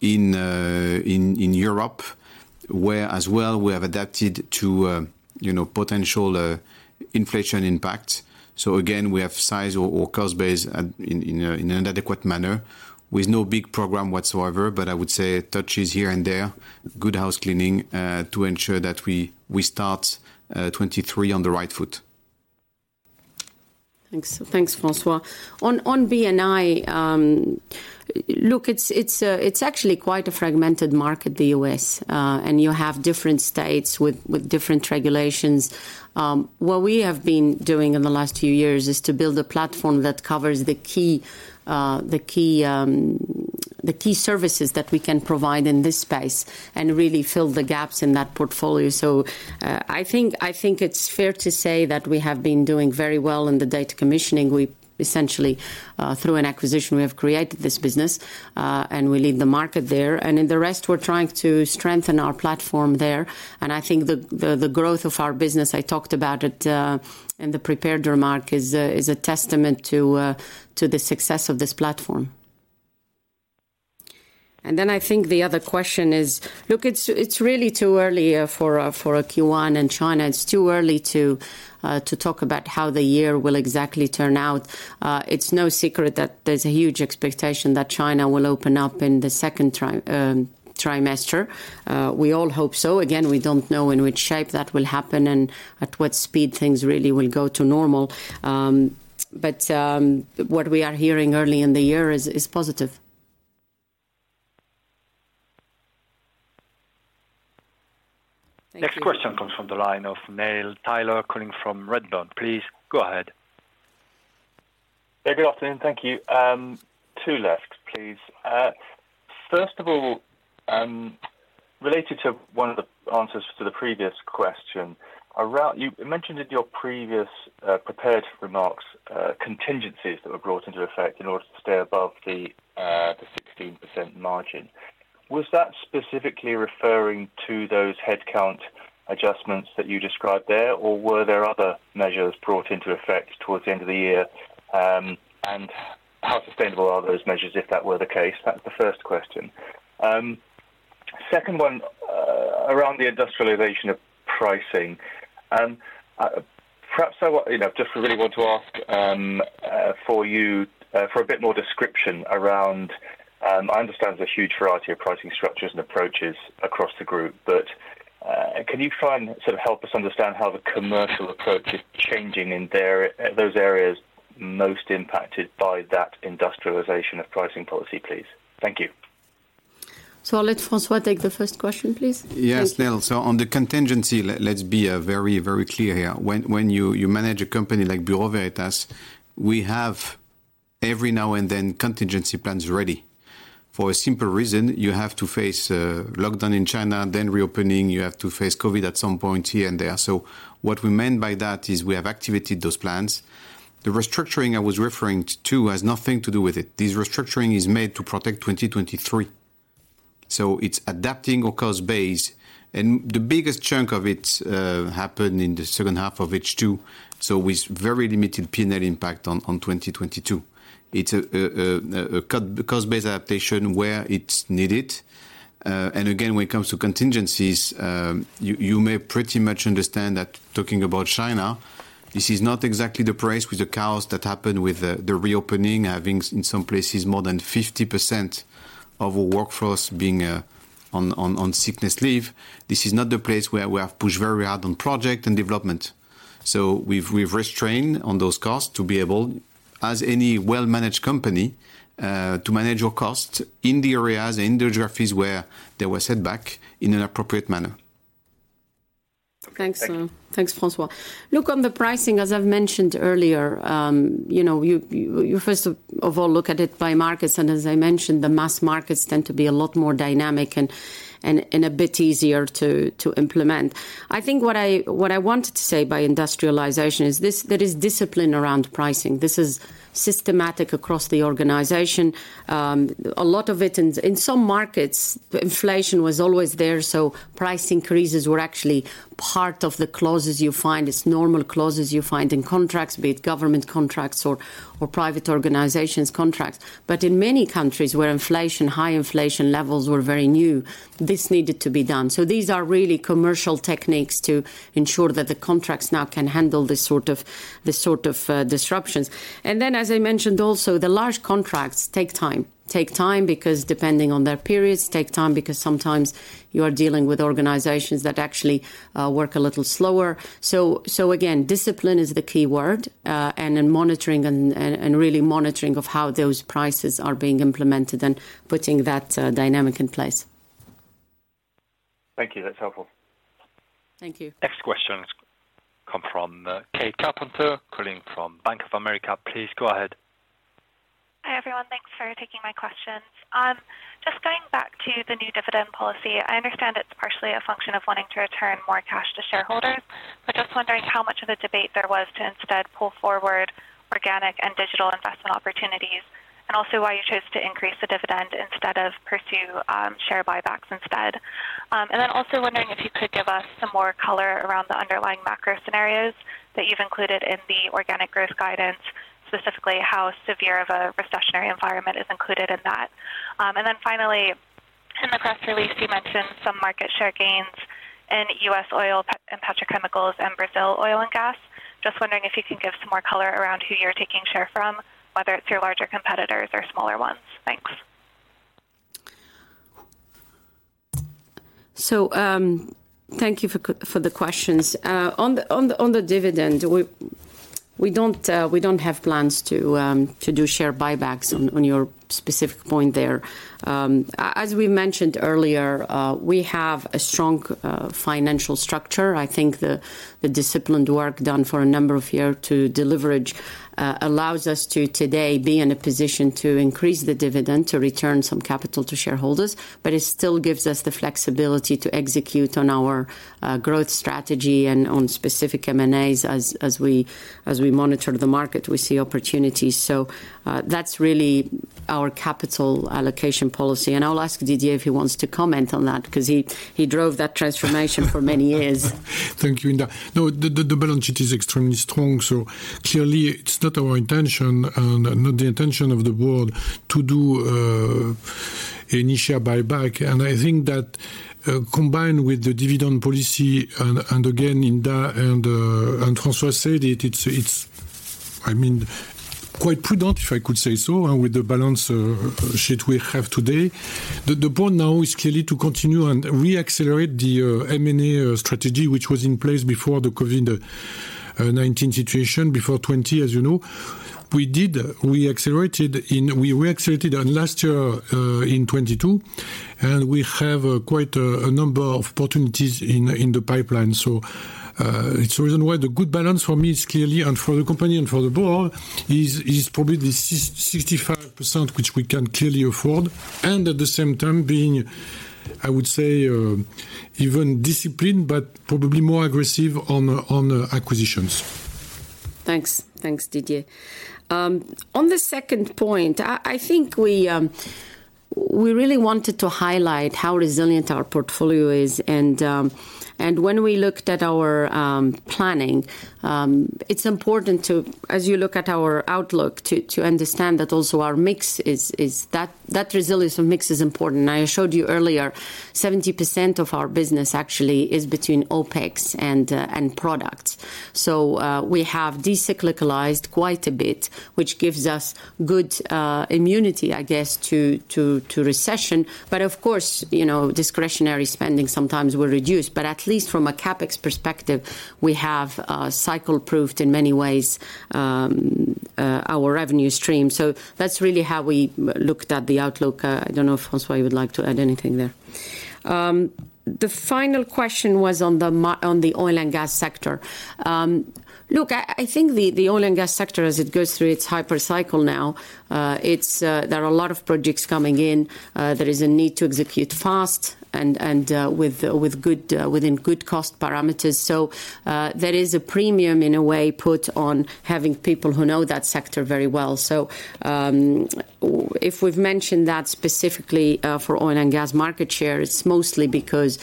in Europe, where as well we have adapted to, you know, potential inflation impact. Again, we have sized our cost base at an adequate manner with no big program whatsoever. I would say touches here and there, good housecleaning, to ensure that we start 2023 on the right foot. Thanks. Thanks, Francois. On B&I, look, it's actually quite a fragmented market, the U.S. You have different states with different regulations. What we have been doing in the last few years is to build a platform that covers the key services that we can provide in this space and really fill the gaps in that portfolio. I think it's fair to say that we have been doing very well in the data commissioning. We essentially, through an acquisition, we have created this business, and we lead the market there. In the rest, we're trying to strengthen our platform there. I think the growth of our business, I talked about it in the prepared remark, is a testament to the success of this platform. I think the other question is... Look, it's really too early for a Q1 in China. It's too early to talk about how the year will exactly turn out. It's no secret that there's a huge expectation that China will open up in the second trimester. We all hope so. Again, we don't know in which shape that will happen and at what speed things really will go to normal. What we are hearing early in the year is positive. Next question comes from the line of Neil Tyler calling from Redburn. Please go ahead. Yeah, good afternoon. Thank you. Two left, please. First of all, related to one of the answers to the previous question, around. You mentioned in your previous prepared remarks, contingencies that were brought into effect in order to stay above the 16% margin. Was that specifically referring to those headcount adjustments that you described there, or were there other measures brought into effect towards the end of the year? How sustainable are those measures, if that were the case? That's the first question. Second one, around the industrialization of pricing, perhaps you know, just really want to ask, for you, for a bit more description around, I understand there's a huge variety of pricing structures and approaches across the group, but, can you try and sort of help us understand how the commercial approach is changing in those areas most impacted by that industrialization of pricing policy, please. Thank you. I'll let François take the first question, please. Yes, Neil. On the contingency, let's be very, very clear here. When you manage a company like Bureau Veritas, we have, every now and then, contingency plans ready. For a simple reason, you have to face a lockdown in China, then reopening. You have to face COVID at some point here and there. What we meant by that is we have activated those plans. The restructuring I was referring to has nothing to do with it. This restructuring is made to protect 2023, so it's adapting our cost base. The biggest chunk of it happened in the second half of H2, so with very limited P&L impact on 2022. It's a cost base adaptation where it's needed. When it comes to contingencies, you may pretty much understand that talking about China, this is not exactly the place with the chaos that happened with the reopening, having in some places more than 50% of our workforce being on sickness leave. This is not the place where we have pushed very hard on project and development. We've restrained on those costs to be able, as any well-managed company, to manage our costs in the areas, in the geographies where there was setback in an appropriate manner. Okay. Thank you. Thanks, thanks, Francois. Look, on the pricing, as I've mentioned earlier, you know, you first of all look at it by markets, and as I mentioned, the mass markets tend to be a lot more dynamic and a bit easier to implement. I think what I wanted to say by industrialization is there is discipline around pricing. This is systematic across the organization. A lot of it in some markets, inflation was always there, so price increases were actually part of the clauses you find. It's normal clauses you find in contracts, be it government contracts or private organizations contracts. In many countries where inflation, high inflation levels were very new, this needed to be done. These are really commercial techniques to ensure that the contracts now can handle this sort of disruptions. As I mentioned also, the large contracts take time. Take time because depending on their periods, take time because sometimes you are dealing with organizations that actually work a little slower. Again, discipline is the key word, and in monitoring and really monitoring of how those prices are being implemented and putting that dynamic in place. Thank you. That's helpful. Thank you. Next question come from, Kate Carpenter, calling from Bank of America. Please go ahead. Hi, everyone. Thanks for taking my questions. Just going back to the new dividend policy. I understand it's partially a function of wanting to return more cash to shareholders, but just wondering how much of a debate there was to instead pull forward organic and digital investment opportunities. Also why you chose to increase the dividend instead of pursue share buybacks instead. Also wondering if you could give us some more color around the underlying macro scenarios that you've included in the organic growth guidance, specifically how severe of a recessionary environment is included in that. Finally, in the press release you mentioned some market share gains in U.S. oil and petrochemicals and Brazil oil and gas. Just wondering if you can give some more color around who you're taking share from, whether it's your larger competitors or smaller ones. Thanks. Thank you for the questions. On the dividend, we don't have plans to do share buybacks on your specific point there. As we mentioned earlier, we have a strong financial structure. I think the disciplined work done for a number of year to deleverage allows us to today be in a position to increase the dividend, to return some capital to shareholders, but it still gives us the flexibility to execute on our growth strategy and on specific M&As as we monitor the market, we see opportunities. That's really our capital allocation policy. I'll ask Didier if he wants to comment on that, 'cause he drove that transformation for many years. Thank you, Hinda. No, the balance sheet is extremely strong, so clearly it's not our intention and not the intention of the board to do any share buyback. I think that combined with the dividend policy and again, Hinda and François said it, I mean, quite prudent, if I could say so, with the balance sheet we have today. The point now is clearly to continue and reaccelerate the M&A strategy which was in place before the Covid. 2019 situation before 2020, as you know. We accelerated in last year, in 2022, and we have quite a number of opportunities in the pipeline. It's the reason why the good balance for me is clearly, and for the company and for the board is probably the 65% which we can clearly afford, and at the same time being, I would say, even disciplined, but probably more aggressive on acquisitions. Thanks. Thanks, Didier. On the second point, I think we really wanted to highlight how resilient our portfolio is and when we looked at our planning, it's important to, as you look at our outlook, to understand that also our mix is. That resilience of mix is important. I showed you earlier 70% of our business actually is between OpEx and products. We have de-cyclicalized quite a bit, which gives us good immunity, I guess, to recession. Of course, you know, discretionary spending sometimes will reduce. At least from a CapEx perspective, we have cycle-proofed, in many ways, our revenue stream. That's really how we looked at the outlook. I don't know if François you would like to add anything there. The final question was on the oil and gas sector. Look, I think the oil and gas sector, as it goes through its hyper cycle now, it's, there are a lot of projects coming in. There is a need to execute fast and with good within good cost parameters. There is a premium in a way put on having people who know that sector very well. If we've mentioned that specifically for oil and gas market share, it's mostly because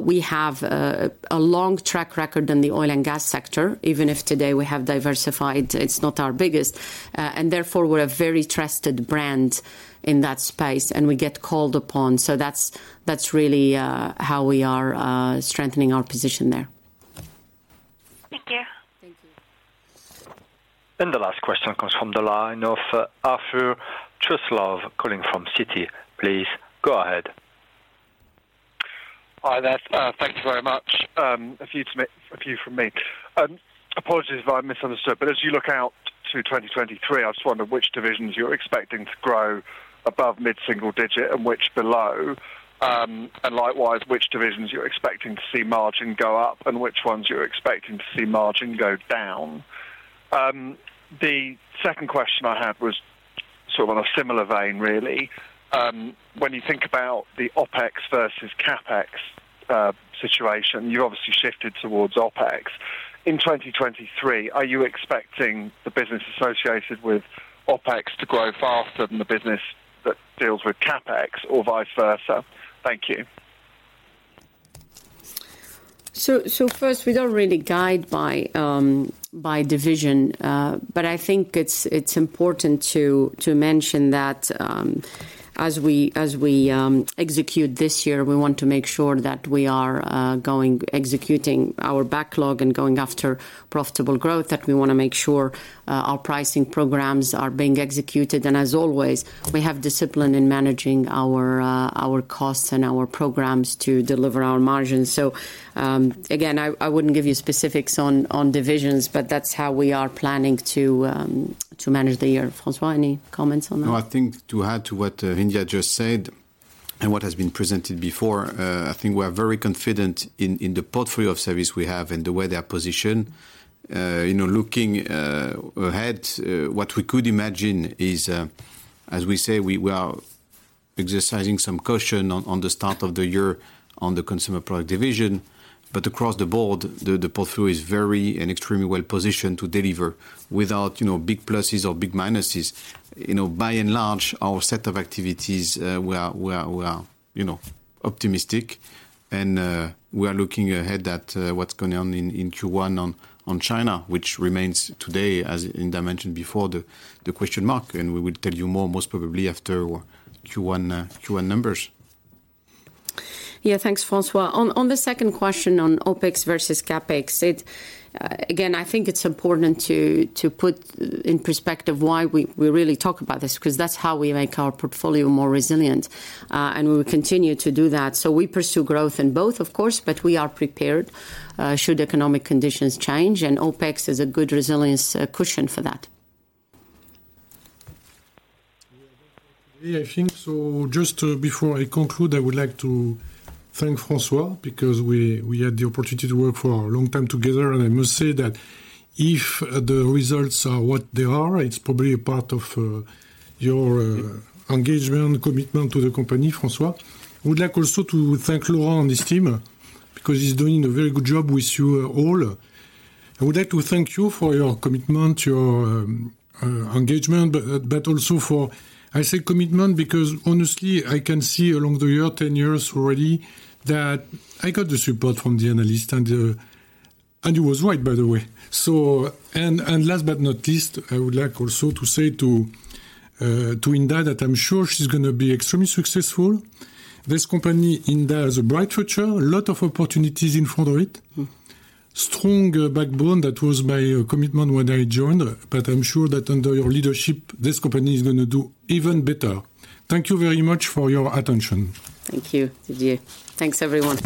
we have a long track record in the oil and gas sector, even if today we have diversified, it's not our biggest. We're a very trusted brand in that space, and we get called upon. That's really how we are strengthening our position there. Thank you. Thank you. The last question comes from the line of Arthur Truslove calling from Citi. Please go ahead. Hi there. Thank you very much. A few from me. Apologies if I misunderstood, but as you look out to 2023, I just wonder which divisions you're expecting to grow above mid-single digit and which below. Likewise, which divisions you're expecting to see margin go up and which ones you're expecting to see margin go down. The second question I had was sort of on a similar vein, really. When you think about the OpEx versus CapEx situation, you obviously shifted towards OpEx. In 2023, are you expecting the business associated with OpEx to grow faster than the business that deals with CapEx or vice versa? Thank you. First, we don't really guide by division. I think it's important to mention that as we execute this year, we want to make sure that we are executing our backlog and going after profitable growth, that we wanna make sure our pricing programs are being executed. As always, we have discipline in managing our costs and our programs to deliver our margins. Again, I wouldn't give you specifics on divisions, but that's how we are planning to manage the year. François, any comments on that? No, I think to add to what, Hinda just said and what has been presented before, I think we are very confident in the portfolio of service we have and the way they are positioned. You know, looking ahead, what we could imagine is, as we say, we are exercising some caution on the start of the year on the Consumer Products division, but across the board, the portfolio is very and extremely well positioned to deliver without, you know, big pluses or big minuses. You know, by and large, our set of activities, we are, you know, optimistic and, we are looking ahead at, what's going on in Q1 on China, which remains today, as Hinda mentioned before, the question mark. We will tell you more most probably after Q1 numbers. Yeah. Thanks, François. On the second question on OpEx versus CapEx. Again, I think it's important to put in perspective why we really talk about this, 'cause that's how we make our portfolio more resilient. We will continue to do that. We pursue growth in both, of course, but we are prepared should economic conditions change, and OpEx is a good resilience cushion for that. I think so just before I conclude, I would like to thank François because we had the opportunity to work for a long time together. I must say that if the results are what they are, it's probably a part of your engagement, commitment to the company, François. I would like also to thank Laurent and his team because he's doing a very good job with you all. I would like to thank you for your commitment, your engagement, but also for. I say commitment because honestly, I can see along the year, 10 years already, that I got the support from the analyst. It was right, by the way. Last but not least, I would like also to say to Hinda that I'm sure she's gonna be extremely successful. This company, Hinda, has a bright future, a lot of opportunities in front of it. Mm-hmm. Strong backbone, that was my commitment when I joined. I'm sure that under your leadership, this company is gonna do even better. Thank you very much for your attention. Thank you, Didier. Thanks, everyone.